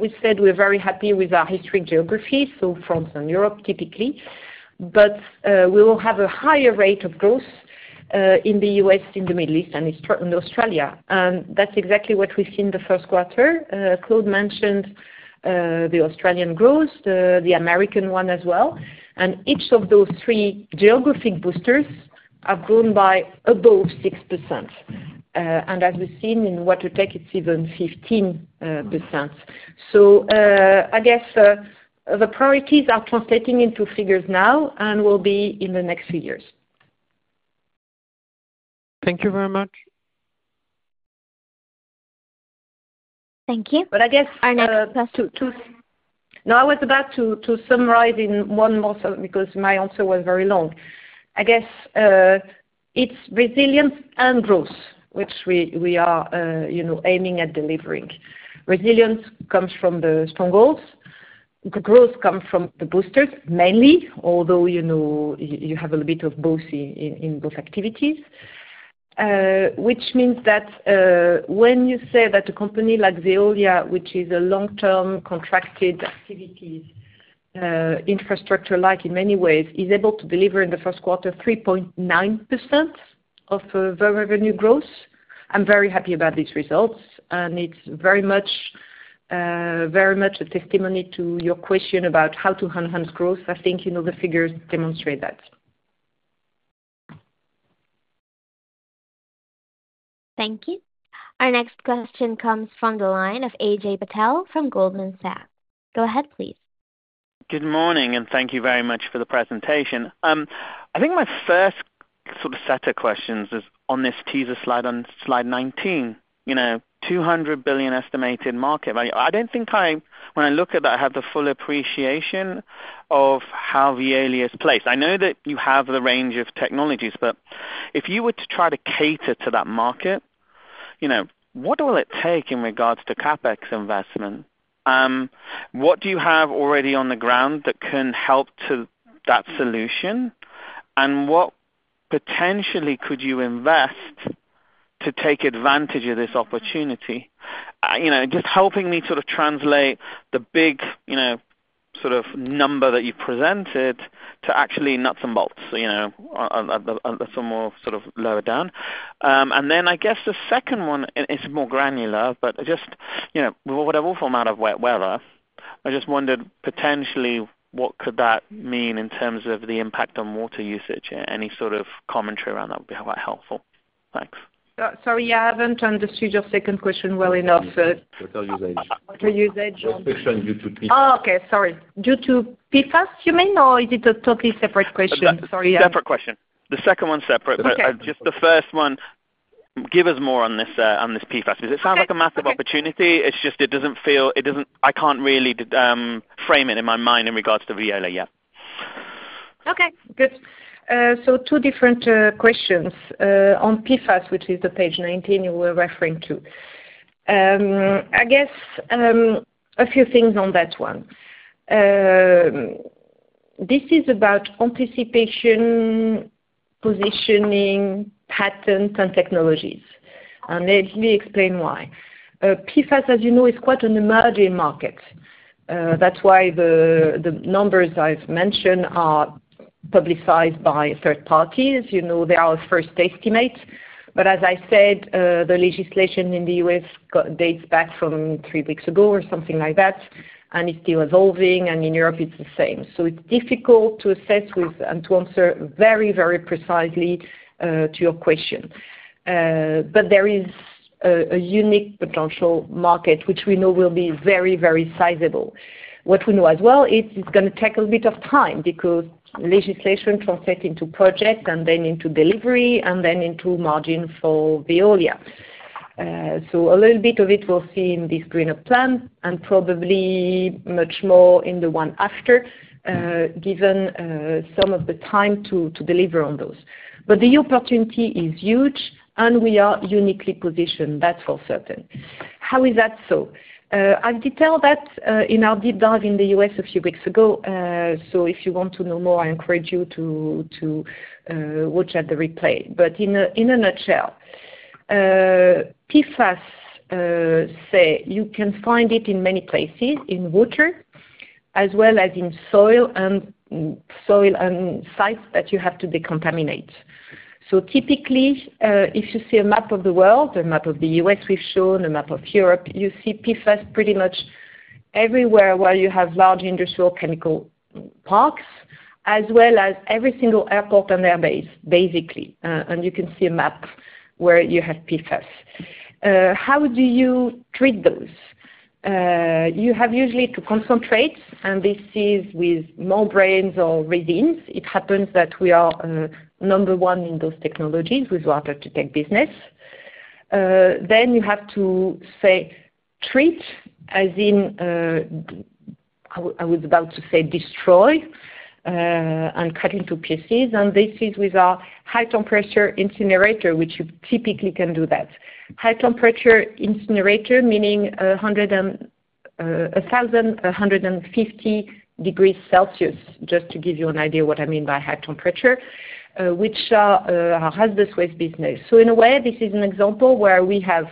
We said we're very happy with our historic geography, so France and Europe, typically. But we will have a higher rate of growth in the U.S., in the Middle East, and in Australia. And that's exactly what we see in the first quarter. Claude mentioned the Australian growth, the American one as well, and each of those three geographic boosters have grown by above 6%. And as we've seen in Water Tech, it's even 15%. So, I guess, the priorities are translating into figures now and will be in the next few years. Thank you very much. Thank you. But I guess, Our next two, two- No, I was about to summarize in one more sentence, because my answer was very long. I guess it's resilience and growth, which we are, you know, aiming at delivering. Resilience comes from the strongholds. Growth comes from the boosters, mainly, although, you know, you have a little bit of both in both activities. Which means that when you say that a company like Veolia, which is a long-term contracted activity, infrastructure-like in many ways, is able to deliver in the first quarter 3.9% of the revenue growth, I'm very happy about these results, and it's very much a testimony to your question about how to enhance growth. I think, you know, the figures demonstrate that. Thank you. Our next question comes from the line of Ajay Patel from Goldman Sachs. Go ahead, please. Good morning, and thank you very much for the presentation. I think my first sort of set of questions is on this teaser slide, on slide 19. You know, $200 billion estimated market value. I don't think I, when I look at that, I have the full appreciation of how Veolia is placed. I know that you have the range of technologies, but if you were to try to cater to that market, you know, what will it take in regards to CapEx investment? What do you have already on the ground that can help to that solution? And what potentially could you invest to take advantage of this opportunity? You know, just helping me sort of translate the big, you know, sort of number that you presented to actually nuts and bolts, you know, on some more sort of lower down. And then I guess the second one is more granular, but just, you know, with a waterfall amount of weather. I just wondered potentially, what could that mean in terms of the impact on water usage? Any sort of commentary around that would be quite helpful. Thanks. Sorry, I haven't understood your second question well enough, so. Total usage. Water usage. Restriction due to PFAS. Oh, okay. Sorry, due to PFAS, you mean, or is it a totally separate question? Sorry. Separate question. The second one's separate- Okay. But just the first one, give us more on this PFAS, because it sounds like a massive opportunity, it's just it doesn't feel- I can't really frame it in my mind in regards to Veolia yet. Okay, good. So two different questions on PFAS, which is the page 19 you were referring to. I guess a few things on that one. This is about anticipation, positioning, patents, and technologies, and let me explain why. PFAS, as you know, is quite an emerging market. That's why the numbers I've mentioned are publicized by third parties. You know, they are our first estimates, but as I said, the legislation in the U.S. dates back from three weeks ago or something like that, and it's still evolving, and in Europe, it's the same. So it's difficult to assess with and to answer very, very precisely to your question. But there is a unique potential market, which we know will be very, very sizable. What we know as well, it's gonna take a bit of time because legislation translates into project and then into delivery and then into margin for Veolia. So a little bit of it we'll see in this greener plan and probably much more in the one after, given some of the time to deliver on those. But the opportunity is huge, and we are uniquely positioned. That's for certain. How is that so? I've detailed that in our deep dive in the U.S. a few weeks ago, so if you want to know more, I encourage you to watch at the replay. But in a nutshell, PFAS, say, you can find it in many places, in water, as well as in soil and soil and sites that you have to decontaminate. So typically, if you see a map of the world, a map of the U.S. we've shown, a map of Europe, you see PFAS pretty much everywhere where you have large industrial chemical parks, as well as every single airport and airbase, basically, and you can see a map where you have PFAS. How do you treat those? You have usually to concentrate, and this is with membranes or resins. It happens that we are number one in those technologies with Water Tech business. Then you have to, say, treat, as in, I was about to say destroy, and cut into pieces, and this is with our high temperature incinerator, which you typically can do that. High temperature incinerator, meaning 1,150 degrees Celsius, just to give you an idea what I mean by high temperature, which are our Hazardous Waste business. So in a way, this is an example where we have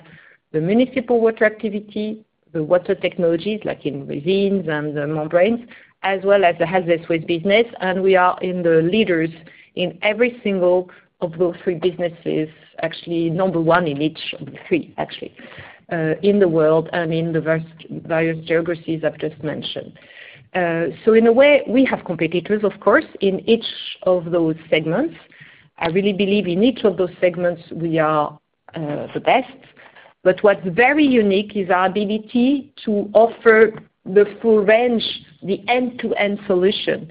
the municipal water activity, the Water Technologies, like in resins and the membranes, as well as the Hazardous Waste business, and we are in the leaders in every single of those three businesses, actually, number one in each of the three, actually, in the world and in the various geographies I've just mentioned. So in a way, we have competitors, of course, in each of those segments. I really believe in each of those segments we are the best. But what's very unique is our ability to offer the full range, the end-to-end solution,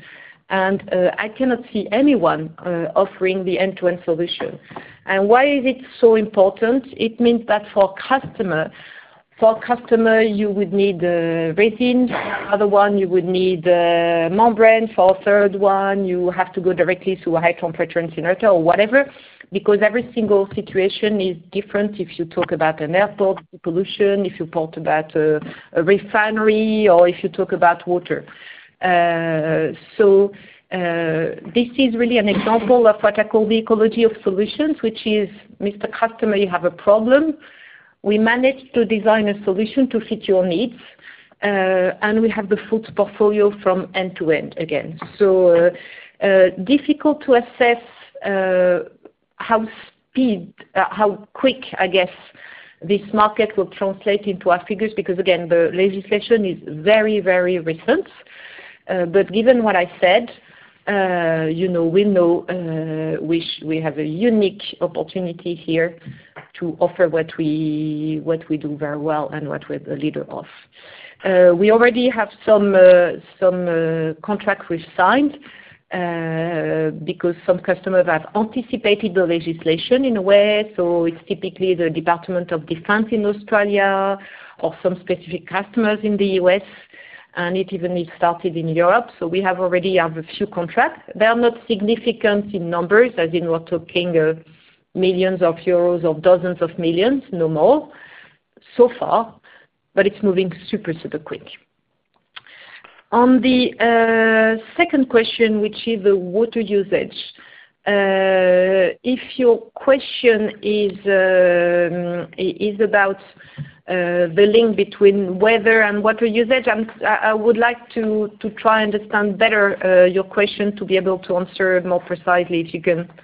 and, I cannot see anyone, offering the end-to-end solution. And why is it so important? It means that for customer, for customer, you would need, resins, another one, you would need, membrane. For a third one, you have to go directly to a high temperature incinerator or whatever, because every single situation is different if you talk about an airport pollution, if you talk about a, a refinery, or if you talk about water. So, this is really an example of what I call the ecology of solutions, which is, Mr. Customer, you have a problem. We managed to design a solution to fit your needs, and we have the full portfolio from end-to-end again. So, difficult to assess how quick, I guess, this market will translate into our figures, because again, the legislation is very, very recent. But given what I said, you know, we have a unique opportunity here to offer what we do very well and what we're the leader of. We already have some contracts we've signed, because some customers have anticipated the legislation in a way, so it's typically the Department of Defence in Australia or some specific customers in the U.S., and it even is started in Europe, so we have already have a few contracts. They are not significant in numbers, as in we're talking millions of euros or dozens of millions, no more, so far, but it's moving super, super quick. On the second question, which is the water usage, if your question is about the link between weather and water usage, I would like to try and understand better your question to be able to answer it more precisely, if you can. I just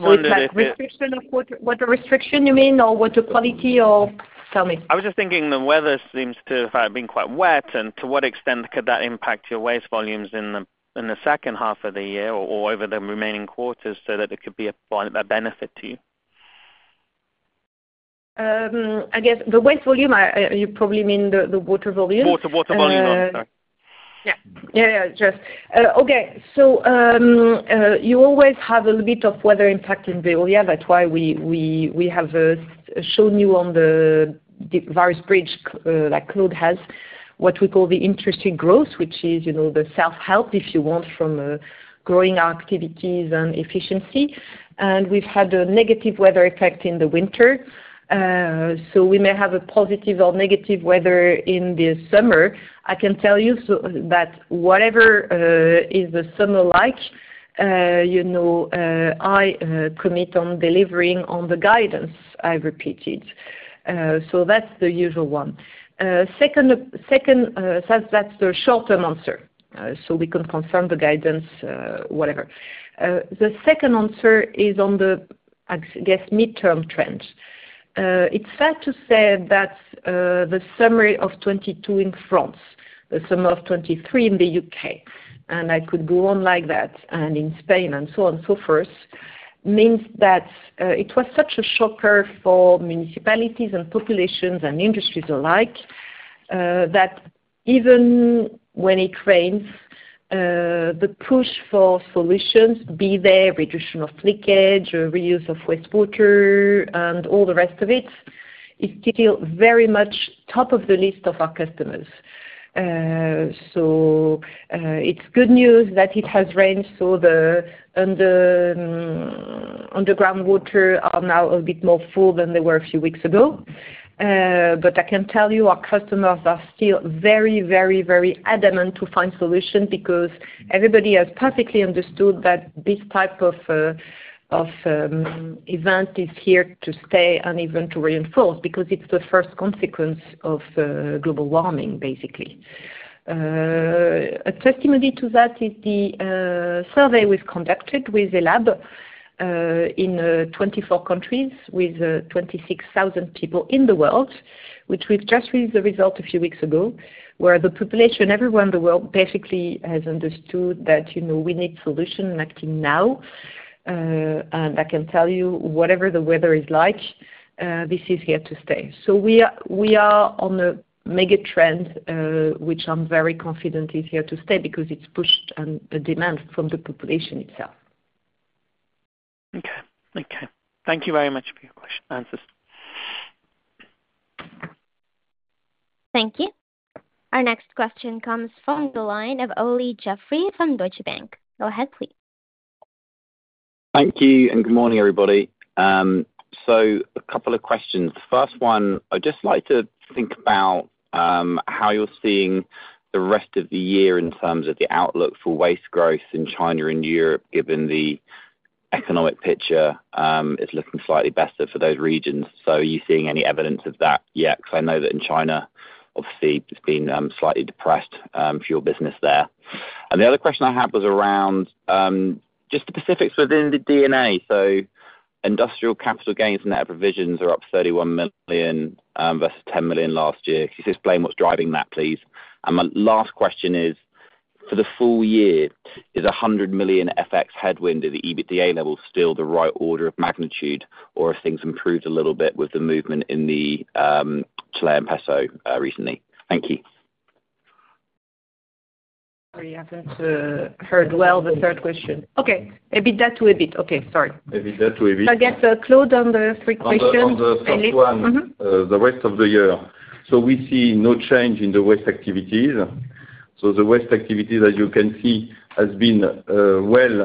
wondered if- Restriction of water, water restriction, you mean, or water quality, or tell me? I was just thinking the weather seems to have been quite wet, and to what extent could that impact your waste volumes in the second half of the year or over the remaining quarters so that it could be a benefit to you? I guess the waste volume, you probably mean the water volume? Water, water volume. I'm sorry. Yeah, yeah, just. Okay, so, you always have a little bit of weather impact in Veolia. That's why we have shown you on the various bridge that Claude has, what we call the interesting growth, which is, you know, the self-help, if you want, from growing our activities and efficiency. And we've had a negative weather effect in the winter, so we may have a positive or negative weather in the summer. I can tell you that whatever is the summer like, you know, I commit on delivering on the guidance I repeated. So that's the usual one. Second, so that's the short-term answer. So we can confirm the guidance, whatever. The second answer is on the, I guess, midterm trend. It's fair to say that, the summer of 2022 in France, the summer of 2023 in the UK, and I could go on like that, and in Spain, and so on, so forth, means that, it was such a shocker for municipalities and populations and industries alike, that even when it rains, the push for solutions, be there reduction of leakage or reuse of wastewater and all the rest of it, is still very much top of the list of our customers. So, it's good news that it has rained, so the underground water are now a bit more full than they were a few weeks ago. But I can tell you our customers are still very, very, very adamant to find solution because everybody has perfectly understood that this type of event is here to stay and even to reinforce, because it's the first consequence of global warming, basically. A testimony to that is the survey was conducted with a lab in 24 countries, with 26,000 people in the world, which we've just released the result a few weeks ago, where the population, everyone in the world, basically has understood that, you know, we need solution and acting now. I can tell you, whatever the weather is like, this is here to stay. So we are on a mega trend, which I'm very confident is here to stay because it's pushed on the demand from the population itself. Okay. Okay. Thank you very much for your question, answers. Thank you. Our next question comes from the line of Olly Jeffery from Deutsche Bank. Go ahead, please. Thank you, and good morning, everybody. So a couple of questions. First one, I'd just like to think about how you're seeing the rest of the year in terms of the outlook for waste growth in China and Europe, given the economic picture is looking slightly better for those regions. So are you seeing any evidence of that yet? Because I know that in China, obviously, it's been slightly depressed for your business there. And the other question I had was around just the specifics within the DNA. So industrial capital gains and net provisions are up 31 million versus 10 million last year. Can you just explain what's driving that, please? My last question is, for the full year, is 100 million FX headwind at the EBITDA level still the right order of magnitude, or have things improved a little bit with the movement in the Chilean peso recently? Thank you. We haven't heard well the third question. Okay. EBITDA to EBIT, okay, sorry. EBITDA to EBIT. I'll get Claude on the three questions. On the first one- Mm-hmm. The rest of the year. So we see no change in the waste activities. So the waste activities, as you can see, has been, well,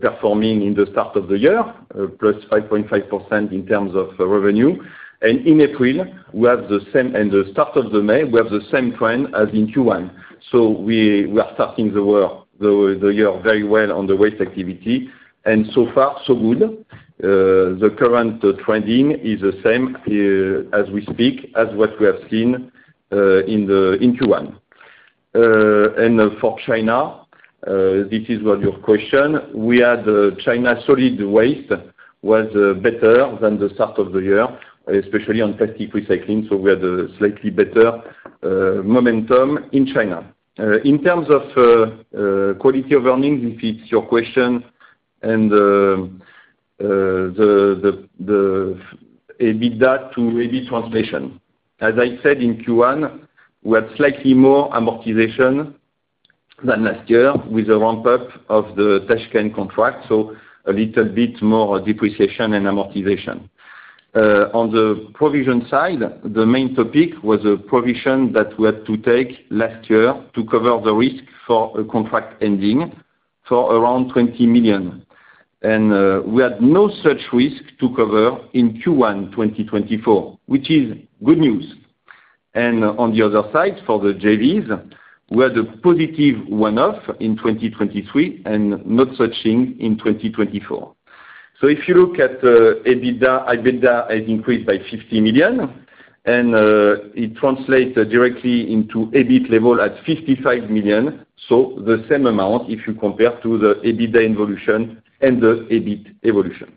performing in the start of the year, +5.5% in terms of revenue. And in April, we have the same, and the start of May, we have the same trend as in Q1. So we are starting the year very well on the waste activity, and so far, so good. The current trending is the same, as we speak, as what we have seen, in Q1. And for China, this is where your question, we had China solid waste was, better than the start of the year, especially on plastic recycling, so we had a slightly better, momentum in China. In terms of quality of earnings, if it's your question, and the EBITDA to EBIT translation. As I said in Q1, we had slightly more amortization than last year with the ramp-up of the Tashkent contract, so a little bit more depreciation and amortization. On the provision side, the main topic was a provision that we had to take last year to cover the risk for a contract ending for around 20 million. And we had no such risk to cover in Q1 2024, which is good news. And on the other side, for the JVs, we had a positive one-off in 2023 and no such thing in 2024. So if you look at EBITDA, EBITDA has increased by 50 million. It translates directly into EBIT level at 55 million, so the same amount, if you compare to the EBITDA evolution and the EBIT evolution.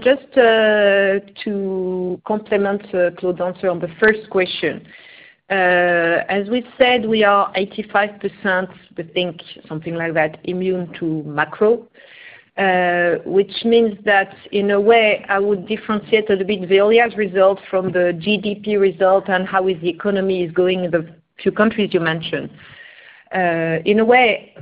Just to complement Claude's answer on the first question. As we said, we are 85%, I think, something like that, immune to macro. Which means that in a way, I would differentiate a little bit Veolia's result from the GDP result and how is the economy is going in the few countries you mentioned. In a way,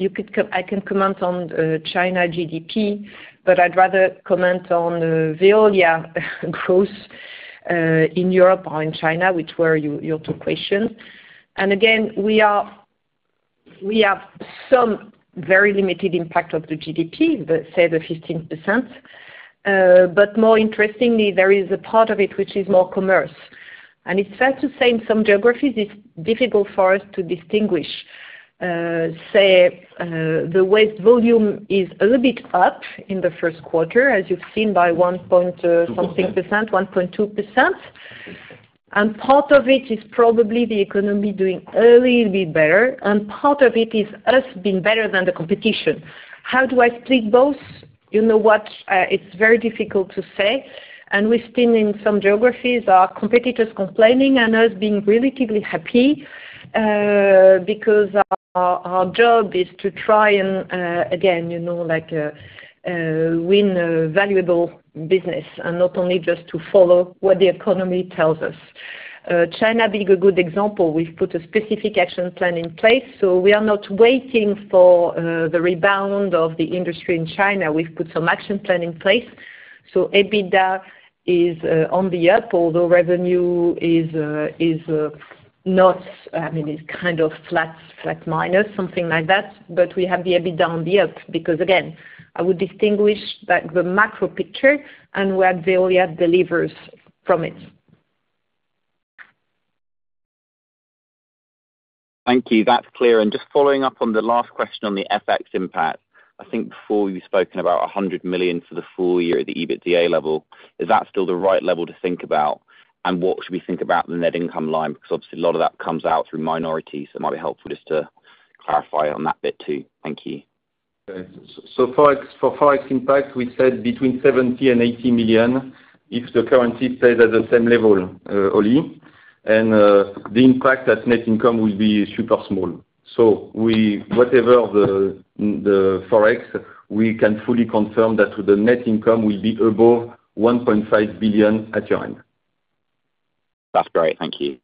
you could com- I can comment on China GDP, but I'd rather comment on Veolia growth in Europe or in China, which were your two questions. And again, we are, we have some very limited impact of the GDP, but say the 15%. But more interestingly, there is a part of it which is more commerce. And it's fair to say, in some geographies, it's difficult for us to distinguish. Say, the waste volume is a little bit up in the first quarter, as you've seen, by 1-point-something percent, 1.2%. And part of it is probably the economy doing a little bit better, and part of it is us being better than the competition. How do I split both? You know what? It's very difficult to say, and we've seen in some geographies, our competitors complaining and us being relatively happy. Because our job is to try and, again, you know, like, win valuable business and not only just to follow what the economy tells us. China being a good example, we've put a specific action plan in place, so we are not waiting for the rebound of the industry in China. We've put some action plan in place, so EBITDA is on the up, although revenue is not, I mean, it's kind of flat, flat minus, something like that. But we have the EBITDA on the up, because again, I would distinguish that the macro picture and where Veolia delivers from it. Thank you. That's clear. And just following up on the last question on the FX impact, I think before you've spoken about 100 million for the full year at the EBITDA level. Is that still the right level to think about? And what should we think about the net income line? Because obviously, a lot of that comes out through minorities, so it might be helpful just to clarify on that bit, too. Thank you. So forex, for forex impact, we said between 70 million and 80 million, if the currency stays at the same level, Olly. And the impact at net income will be super small. So we, whatever the forex, we can fully confirm that the net income will be above 1.5 billion at year-end. That's great. Thank you.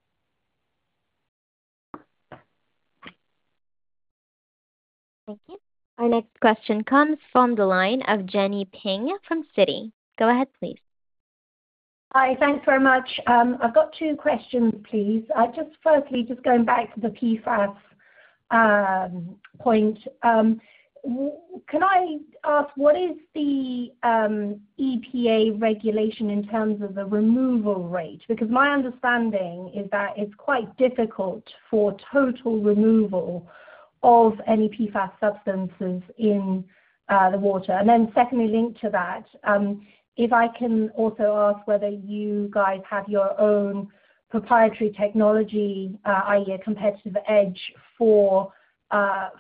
Thank you. Our next question comes from the line of Jenny Ping from Citi. Go ahead, please. Hi, thanks very much. I've got two questions, please. Just firstly, just going back to the PFAS point, can I ask what is the EPA regulation in terms of the removal rate? Because my understanding is that it's quite difficult for total removal of any PFAS substances in the water. And then secondly, linked to that, if I can also ask whether you guys have your own proprietary technology, i.e., a competitive edge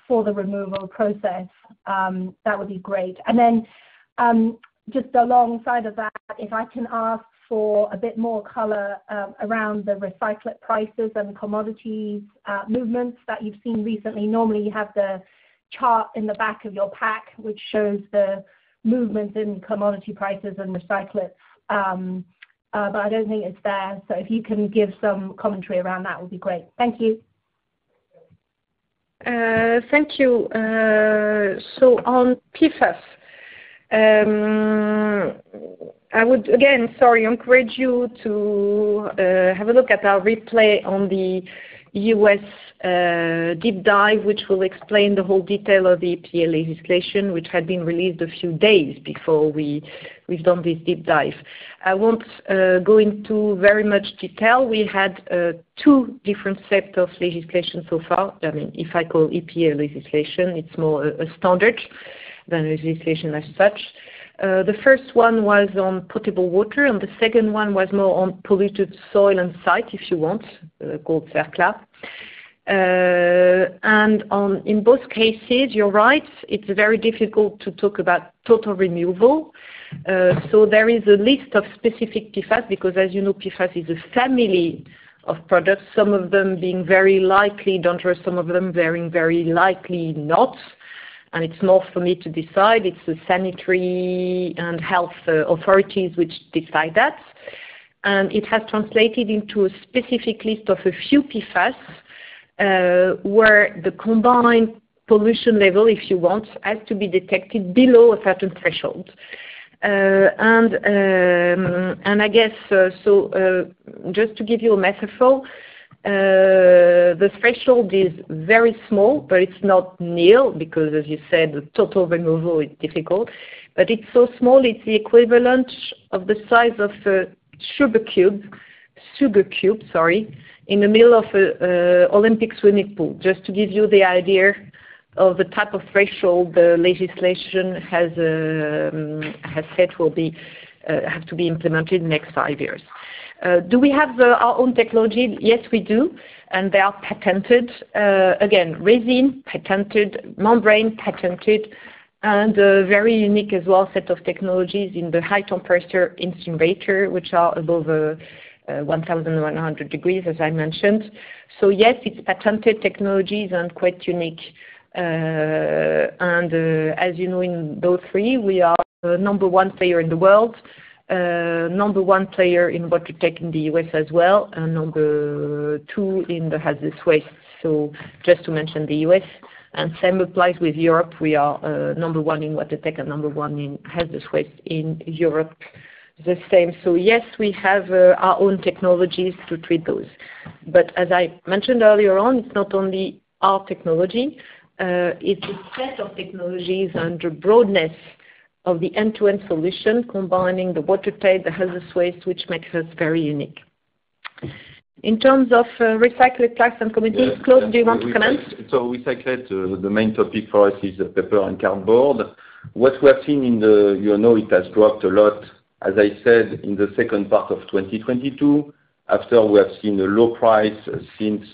for the removal process, that would be great. And then, just alongside of that, if I can ask for a bit more color around the recyclate prices and commodity movements that you've seen recently. Normally, you have the chart in the back of your pack, which shows the movement in commodity prices and recyclates, but I don't think it's there. So if you can give some commentary around that, would be great. Thank you. Thank you. So on PFAS, I would again, sorry, encourage you to have a look at our replay on the U.S. deep dive, which will explain the whole detail of the EPA legislation, which had been released a few days before we, we've done this deep dive. I won't go into very much detail. We had two different set of legislation so far. I mean, if I call EPA legislation, it's more a standard than legislation as such. And on, in both cases, you're right, it's very difficult to talk about total removal. So there is a list of specific PFAS, because as you know, PFAS is a family of products, some of them being very likely dangerous, some of them very, very likely not. And it's not for me to decide. It's the sanitary and health authorities which decide that. And it has translated into a specific list of a few PFAS, where the combined pollution level, if you want, has to be detected below a certain threshold. And I guess, so, just to give you a metaphor, this threshold is very small, but it's not nil, because as you said, total removal is difficult. But it's so small, it's the equivalent of the size of a sugar cube, sugar cube, sorry, in the middle of an Olympic swimming pool, just to give you the idea of the type of threshold the legislation has, has set will be, have to be implemented next 5 years. Do we have our own technology? Yes, we do, and they are patented. Again, resin, patented, membrane, patented, and a very unique as well set of technologies in the high temperature incinerator, which are above 1,100 degrees, as I mentioned. So yes, it's patented technologies and quite unique. And, as you know, in those three, we are the number one player in the world, number one player in Water Tech in the U.S. as well, and number two in the Hazardous Waste. So just to mention the U.S., and same applies with Europe. We are number one in Water Tech and number one in Hazardous Waste in Europe, the same. So yes, we have our own technologies to treat those. But as I mentioned earlier on, it's not only our technology, it's a set of technologies and the broadness of the end-to-end solution, combining the Water Tech, the Hazardous Waste, which makes us very unique. In terms of recycleate packs and commodities, Claude, do you want to comment? So recycled, the main topic for us is the paper and cardboard. What we have seen in the- you know, it has dropped a lot, as I said, in the second part of 2022, after we have seen a low price since,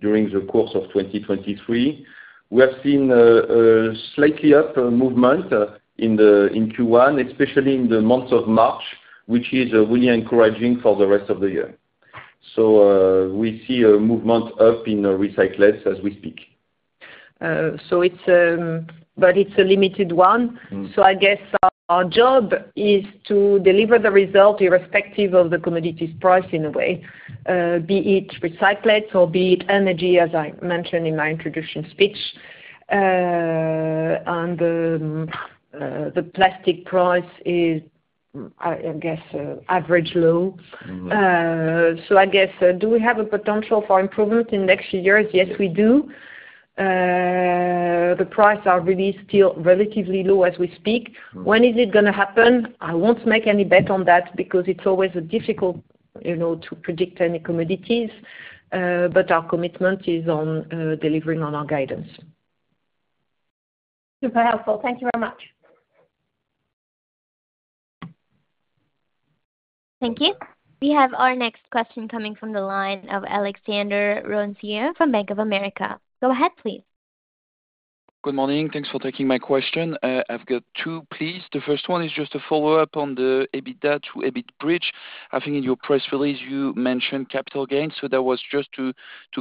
during the course of 2023. We have seen, a slightly up movement, in the, in Q1, especially in the month of March, which is really encouraging for the rest of the year. So, we see a movement up in recyclates as we speak. So it's, but it's a limited one. Mm. So I guess our job is to deliver the result irrespective of the commodities price, in a way, be it recyclates or be it energy, as I mentioned in my introduction speech. And the plastic price is, I guess, average low. Mm. So I guess, do we have a potential for improvement in next years? Yes, we do. The price are really still relatively low as we speak. Mm. When is it gonna happen? I won't make any bet on that because it's always difficult, you know, to predict any commodities, but our commitment is on delivering on our guidance. Super helpful. Thank you very much. Thank you. We have our next question coming from the line of Alexandre Roncier from Bank of America. Go ahead, please. Good morning. Thanks for taking my question. I've got two, please. The first one is just a follow-up on the EBITDA to EBIT bridge. I think in your press release, you mentioned capital gains, so that was just to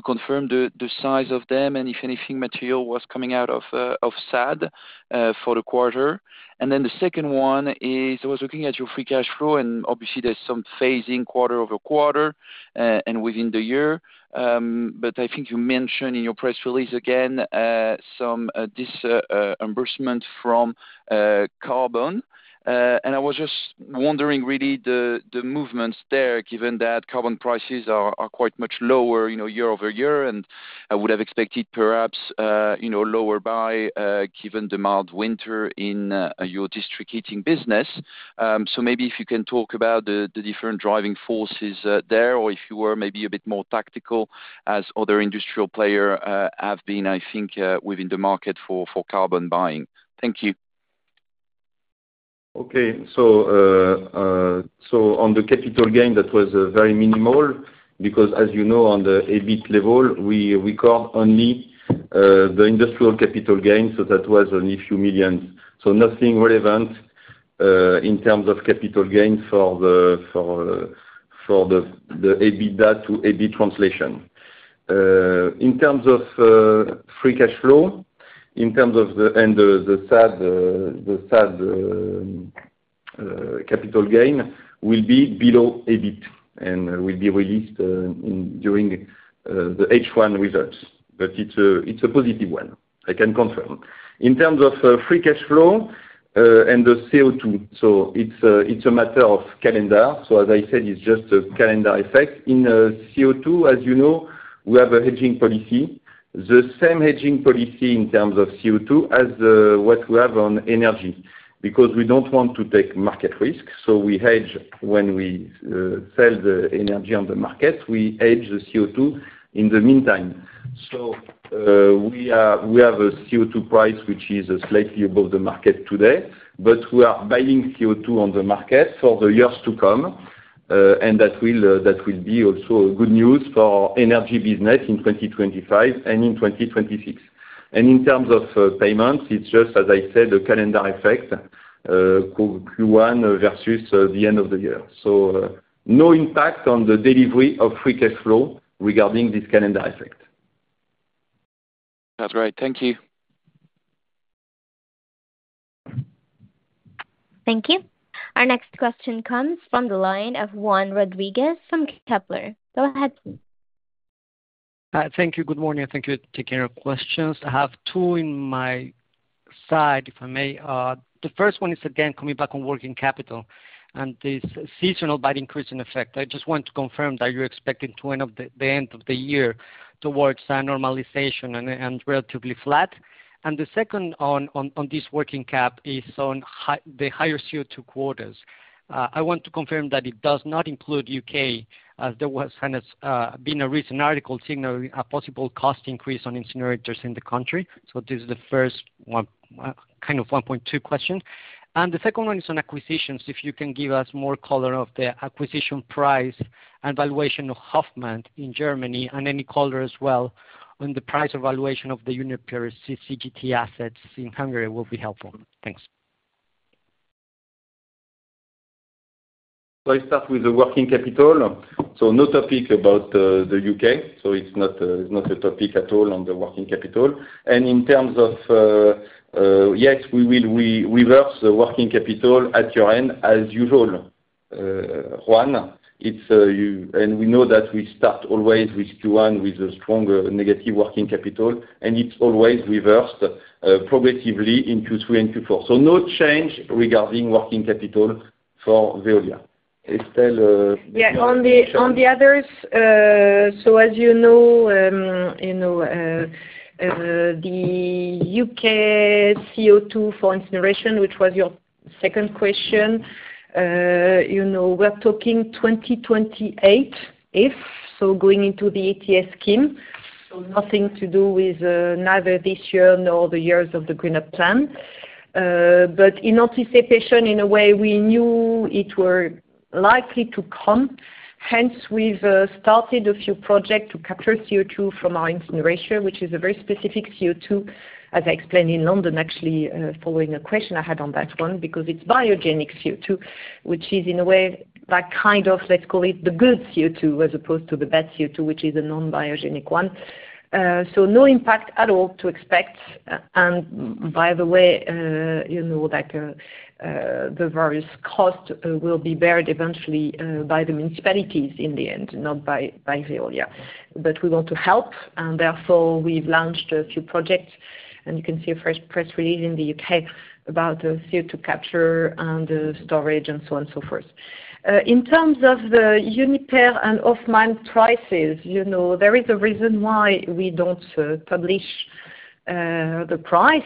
confirm the size of them and if anything material was coming out of SADE for the quarter. And then the second one is, I was looking at your free cash flow, and obviously there's some phasing quarter-over-quarter and within the year. But I think you mentioned in your press release, again, some this reimbursement from carbon. And I was just wondering really the movements there, given that carbon prices are quite much lower, you know, year-over-year, and I would have expected perhaps, you know, lower by, given the mild winter in your district heating business. So maybe if you can talk about the different driving forces there, or if you were maybe a bit more tactical as other industrial player have been, I think, within the market for carbon buying. Thank you. Okay. So on the capital gain, that was very minimal, because as you know, on the EBIT level, we record only the industrial capital gains, so that was only a few millions. So nothing relevant in terms of capital gains for the EBITDA to EBIT translation. In terms of free cash flow, in terms of the SADE capital gain will be below EBIT and will be released during the H1 results. But it's a positive one, I can confirm. In terms of free cash flow and the CO2, so it's a matter of calendar. So as I said, it's just a calendar effect. In CO2, as you know, we have a hedging policy. The same hedging policy in terms of CO2 as what we have on energy, because we don't want to take market risk, so we hedge when we sell the energy on the market, we hedge the CO2 in the meantime. So, we are, we have a CO2 price which is slightly above the market today, but we are buying CO2 on the market for the years to come, and that will, that will be also good news for energy business in 2025 and in 2026. And in terms of payments, it's just, as I said, a calendar effect, Q1 versus the end of the year. So, no impact on the delivery of free cash flow regarding this calendar effect. That's right. Thank you. Thank you. Our next question comes from the line of Juan Rodriguez from Kepler. Go ahead, please. Thank you. Good morning, and thank you for taking our questions. I have two on my side, if I may. The first one is, again, coming back on working capital. and this seasonal but increasing effect, I just want to confirm that you're expecting to end of the end of the year towards a normalization and relatively flat? And the second on this working cap is on the higher CO2 quotas. I want to confirm that it does not include UK, as there was kind of been a recent article signaling a possible cost increase on incinerators in the country. So this is the first one, kind of one point two question. And the second one is on acquisitions, if you can give us more color of the acquisition price and valuation of Hofmann in Germany, and any color as well on the price evaluation of the Uniper CCGT assets in Hungary will be helpful. Thanks. So I start with the working capital. So no topic about the UK, so it's not a topic at all on the working capital. And in terms of, yes, we will reverse the working capital at year-end, as usual, Juan. And we know that we start always with Q1, with a strong negative working capital, and it's always reversed progressively in Q3 and Q4. So no change regarding working capital for Veolia. Estelle? Yeah, on the others, so as you know, you know, the UK CO2 for incineration, which was your second question, you know, we're talking 2028, if so going into the ETS scheme. So nothing to do with neither this year nor the years of the GreenUp plan. But in anticipation, in a way, we knew it were likely to come, hence we've started a few projects to capture CO2 from our incineration, which is a very specific CO2, as I explained in London, actually, following a question I had on that one. Because it's biogenic CO2, which is, in a way, that kind of, let's call it, the good CO2, as opposed to the bad CO2, which is a non-biogenic one. So no impact at all to expect. And by the way, you know that the various costs will be borne eventually by the municipalities in the end, not by Veolia. But we want to help, and therefore we've launched a few projects, and you can see a press release in the UK about the CO2 capture and storage and so on and so forth. In terms of the Uniper and Hofmann prices, you know, there is a reason why we don't publish the price.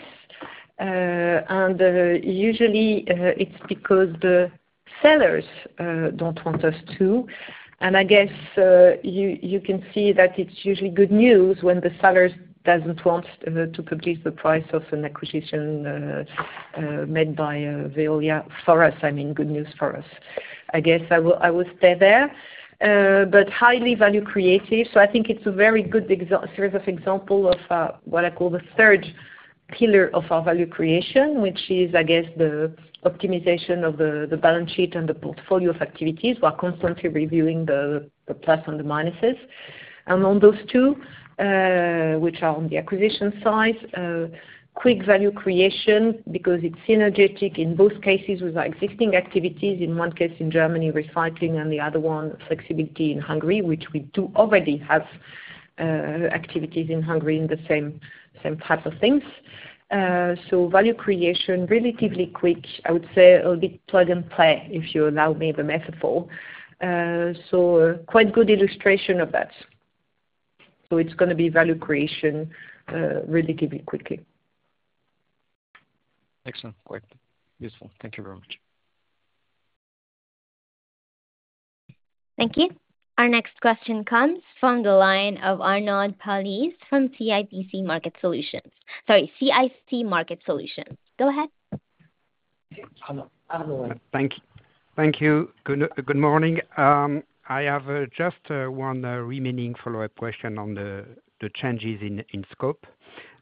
And usually, it's because the sellers don't want us to. And I guess you can see that it's usually good news when the sellers doesn't want to publish the price of an acquisition made by Veolia, for us, I mean, good news for us. I guess I will stay there. But highly value creative, so I think it's a very good example of what I call the third pillar of our value creation, which is, I guess, the optimization of the balance sheet and the portfolio of activities. We are constantly reviewing the plus and the minuses. Among those two, which are on the acquisition side, quick value creation, because it's synergetic in both cases with our existing activities. In one case in Germany, recycling, and the other one, flexibility in Hungary, which we do already have activities in Hungary in the same type of things. So value creation, relatively quick, I would say a bit plug and play, if you allow me the metaphor. So quite good illustration of that. So it's gonna be value creation, relatively quickly. Excellent. Great. Useful. Thank you very much. Thank you. Our next question comes from the line of Arnaud Palliez from CIC Market Solutions, sorry, CIC Market Solutions. Go ahead. Thank you. Good morning. I have just one remaining follow-up question on the changes in scope.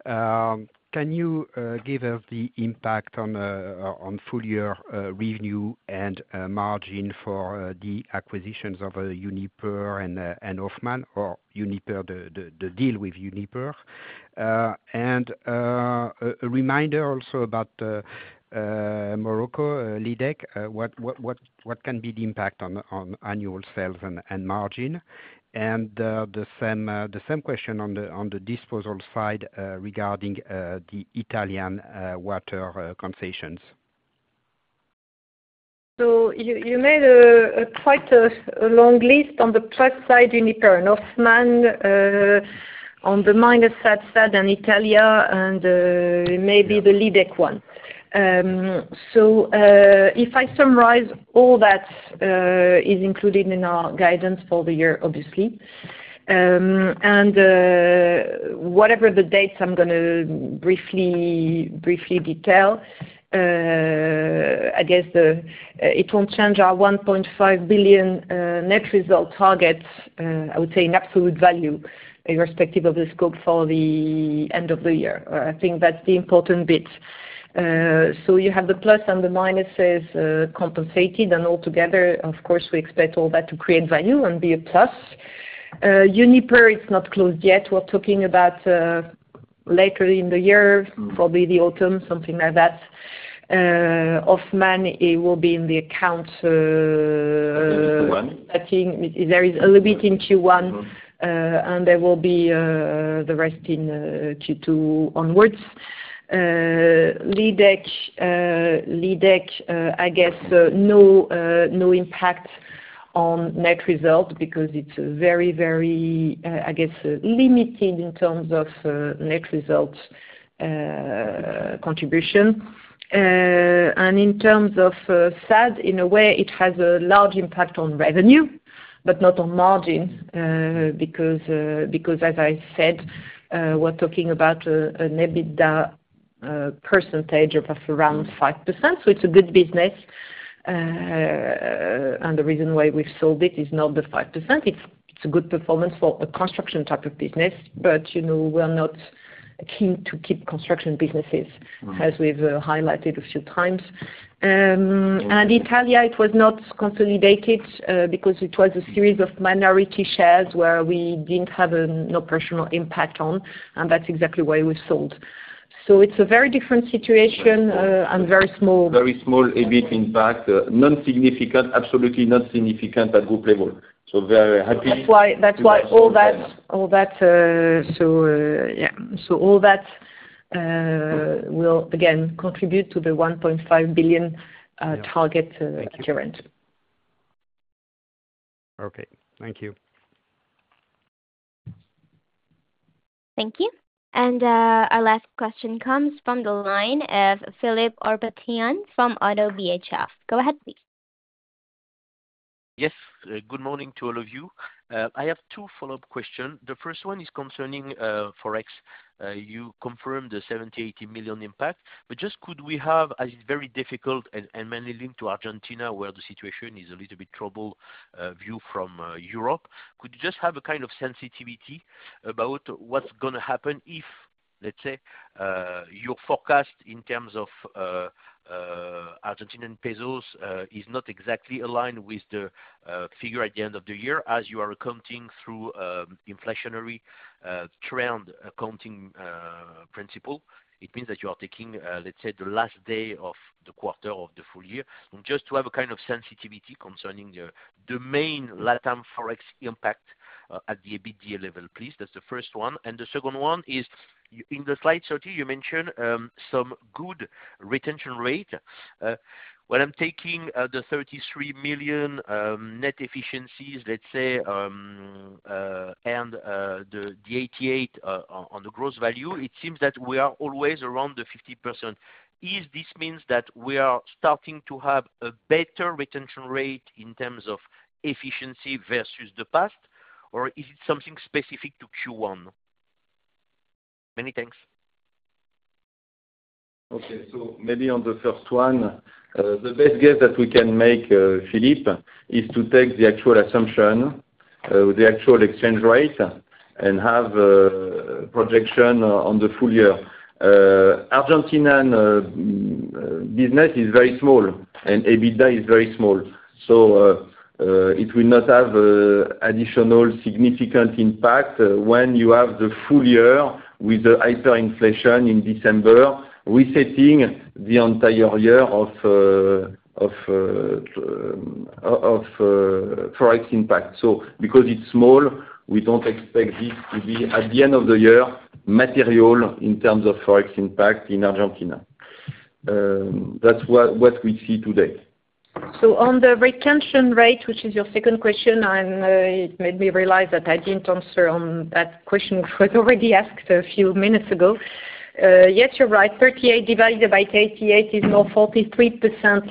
Can you give us the impact on full year revenue and margin for the acquisitions of Uniper and Hofmann, or Uniper, the deal with Uniper? And a reminder also about Morocco, Lydec. What can be the impact on annual sales and margin? And the same question on the disposal side, regarding the Italian water concessions. So you made quite a long list on the plus side, Uniper and Hofmann, on the minus side, SADE in Italy and, maybe the Lydec one. So, if I summarize all that, is included in our guidance for the year, obviously. And, whatever the dates, I'm gonna briefly detail, I guess the, it won't change our 1.5 billion net result target, I would say in absolute value, irrespective of the scope for the end of the year. I think that's the important bit. So you have the plus and the minuses, compensated, and altogether, of course, we expect all that to create value and be a plus. Uniper, it's not closed yet. We're talking about, later in the year, probably the autumn, something like that. Hofmann, it will be in the account. I think there is a little bit in Q1, and there will be the rest in Q2 onwards. Lydec, I guess no impact on net result because it's very, very, I guess, limited in terms of net results contribution. And in terms of SADE, in a way, it has a large impact on revenue, but not on margin, because, because as I said, we're talking about an EBITDA percentage of around 5%. So it's a good business. And the reason why we've sold it is not the 5%. It's a good performance for a construction type of business, but, you know, we are not keen to keep construction businesses... Right. As we've highlighted a few times. And Italy, it was not consolidated, because it was a series of minority shares where we didn't have an operational impact on, and that's exactly why we sold. So it's a very different situation, and very small. Very small, a bit impact, non-significant, absolutely not significant at group level. So very happy. That's why, that's why all that, all that, so, yeah. So all that will again contribute to the 1.5 billion target, current. Okay. Thank you. Thank you. Our last question comes from the line of Philippe Ourpatian from ODDO BHF. Go ahead, please. Yes. Good morning to all of you. I have two follow-up questions. The first one is concerning forex. You confirmed the 70-80 million impact, but just could we have, as it's very difficult and mainly linked to Argentina, where the situation is a little bit troubled, view from Europe. Could you just have a kind of sensitivity about what's gonna happen if, let's say, your forecast in terms of Argentine pesos is not exactly aligned with the figure at the end of the year, as you are accounting through inflationary trend accounting principle? It means that you are taking, let's say, the last day of the quarter of the full year. Just to have a kind of sensitivity concerning the main LatAm forex impact at the EBITDA level, please. That's the first one. And the second one is, in the slide 30, you mentioned, some good retention rate. When I'm taking, the 33 million, net efficiencies, let's say, and, the, the 88, on, on the gross value, it seems that we are always around the 50%. Is this means that we are starting to have a better retention rate in terms of efficiency versus the past? Or is it something specific to Q1? Many thanks. Okay. So maybe on the first one, the best guess that we can make, Philippe, is to take the actual assumption with the actual exchange rate and have projection on the full year. Argentine business is very small and EBITDA is very small, so it will not have additional significant impact when you have the full year with the hyperinflation in December, resetting the entire year of forex impact. So because it's small, we don't expect this to be, at the end of the year, material in terms of forex impact in Argentina. That's what we see today. So on the retention rate, which is your second question, and, it made me realize that I didn't answer on that question was already asked a few minutes ago. Yes, you're right. 38 divided by 88 is now 43%,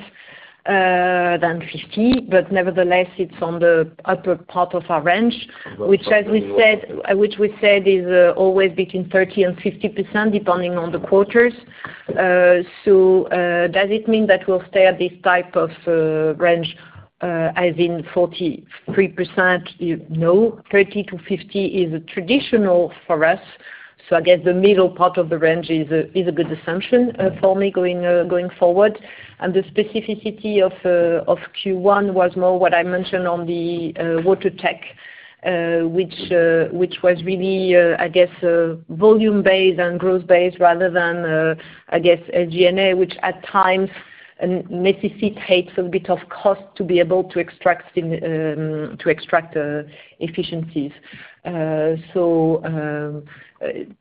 than 50, but nevertheless, it's on the upper part of our range, which, as we said—which we said is, always between 30% and 50%, depending on the quarters. So, does it mean that we'll stay at this type of range, as in 43%? No. 30-50 is traditional for us, so I guess the middle part of the range is a good assumption for me going forward. The specificity of Q1 was more what I mentioned on the Water Tech, which was really, I guess, a volume-based and growth-based rather than, I guess, SG&A, which at times necessitates a bit of cost to be able to extract efficiencies. So,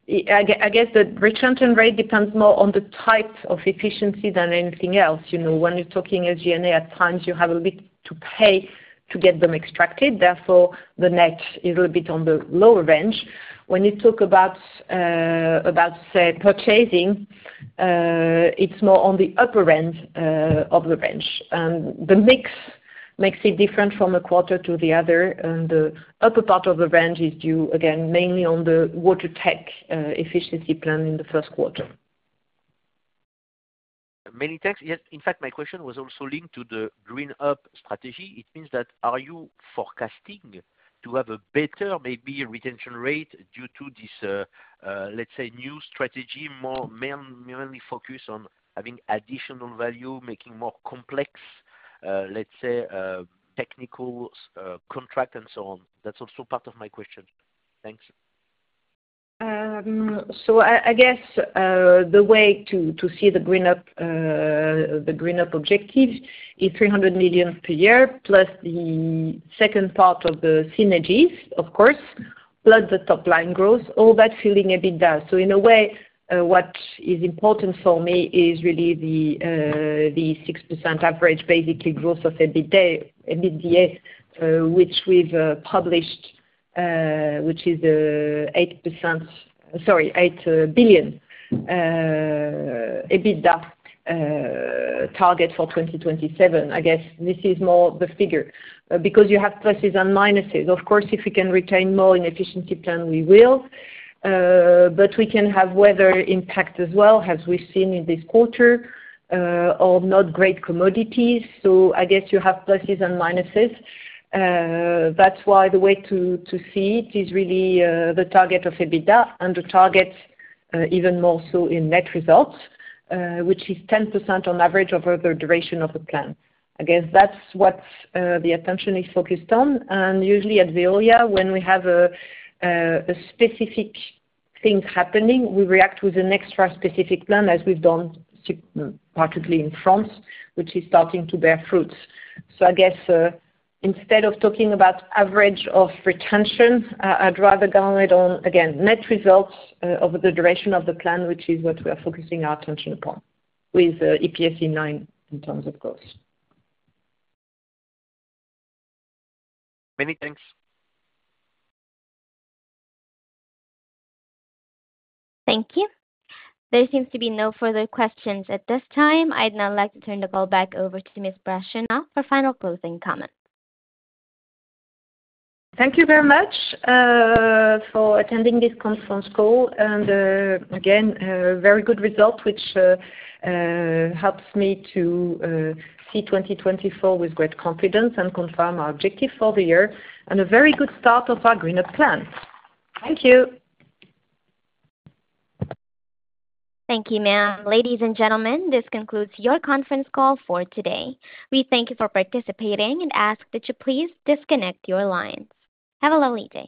I guess the retention rate depends more on the type of efficiency than anything else. You know, when you're talking SG&A, at times you have a bit to pay to get them extracted, therefore, the net is a little bit on the lower range. When you talk about, say, purchasing, it's more on the upper end of the range. And the mix makes it different from a quarter to the other, and the upper part of the range is due, again, mainly on the Water Tech efficiency plan in the first quarter. Many thanks. Yes, in fact, my question was also linked to the GreenUp strategy. It means that are you forecasting to have a better, maybe, retention rate due to this, let's say, new strategy, more mainly focused on having additional value, making more complex, let's say, technical, contract and so on? That's also part of my question. Thanks. So I guess the way to see the GreenUp, the GreenUp objective is 300 million per year, plus the second part of the synergies, of course, plus the top line growth, all that filling EBITDA. So in a way, what is important for me is really the 6% average, basically, growth of EBITDA, which we've published, which is 8%- sorry, EUR 8 billion EBITDA target for 2027. I guess this is more the figure because you have pluses and minuses. Of course, if we can retain more in efficiency plan, we will. But we can have weather impact as well, as we've seen in this quarter, or not great commodities. So I guess you have pluses and minuses. That's why the way to see it is really the target of EBITDA and the target, even more so in net results, which is 10% on average over the duration of the plan. I guess that's what the attention is focused on. And usually at Veolia, when we have a specific thing happening, we react with an extra specific plan, as we've done particularly in France, which is starting to bear fruits. So I guess, instead of talking about average of retention, I'd rather go on it on, again, net results, over the duration of the plan, which is what we are focusing our attention upon, with EPS in line, in terms of growth. Many thanks. Thank you. There seems to be no further questions at this time. I'd now like to turn the call back over to Miss Brachlianoff for final closing comments. Thank you very much for attending this conference call, and, again, a very good result, which helps me to see 2024 with great confidence and confirm our objective for the year, and a very good start of our GreenUp plan. Thank you. Thank you, ma'am. Ladies and gentlemen, this concludes your conference call for today. We thank you for participating and ask that you please disconnect your lines. Have a lovely day.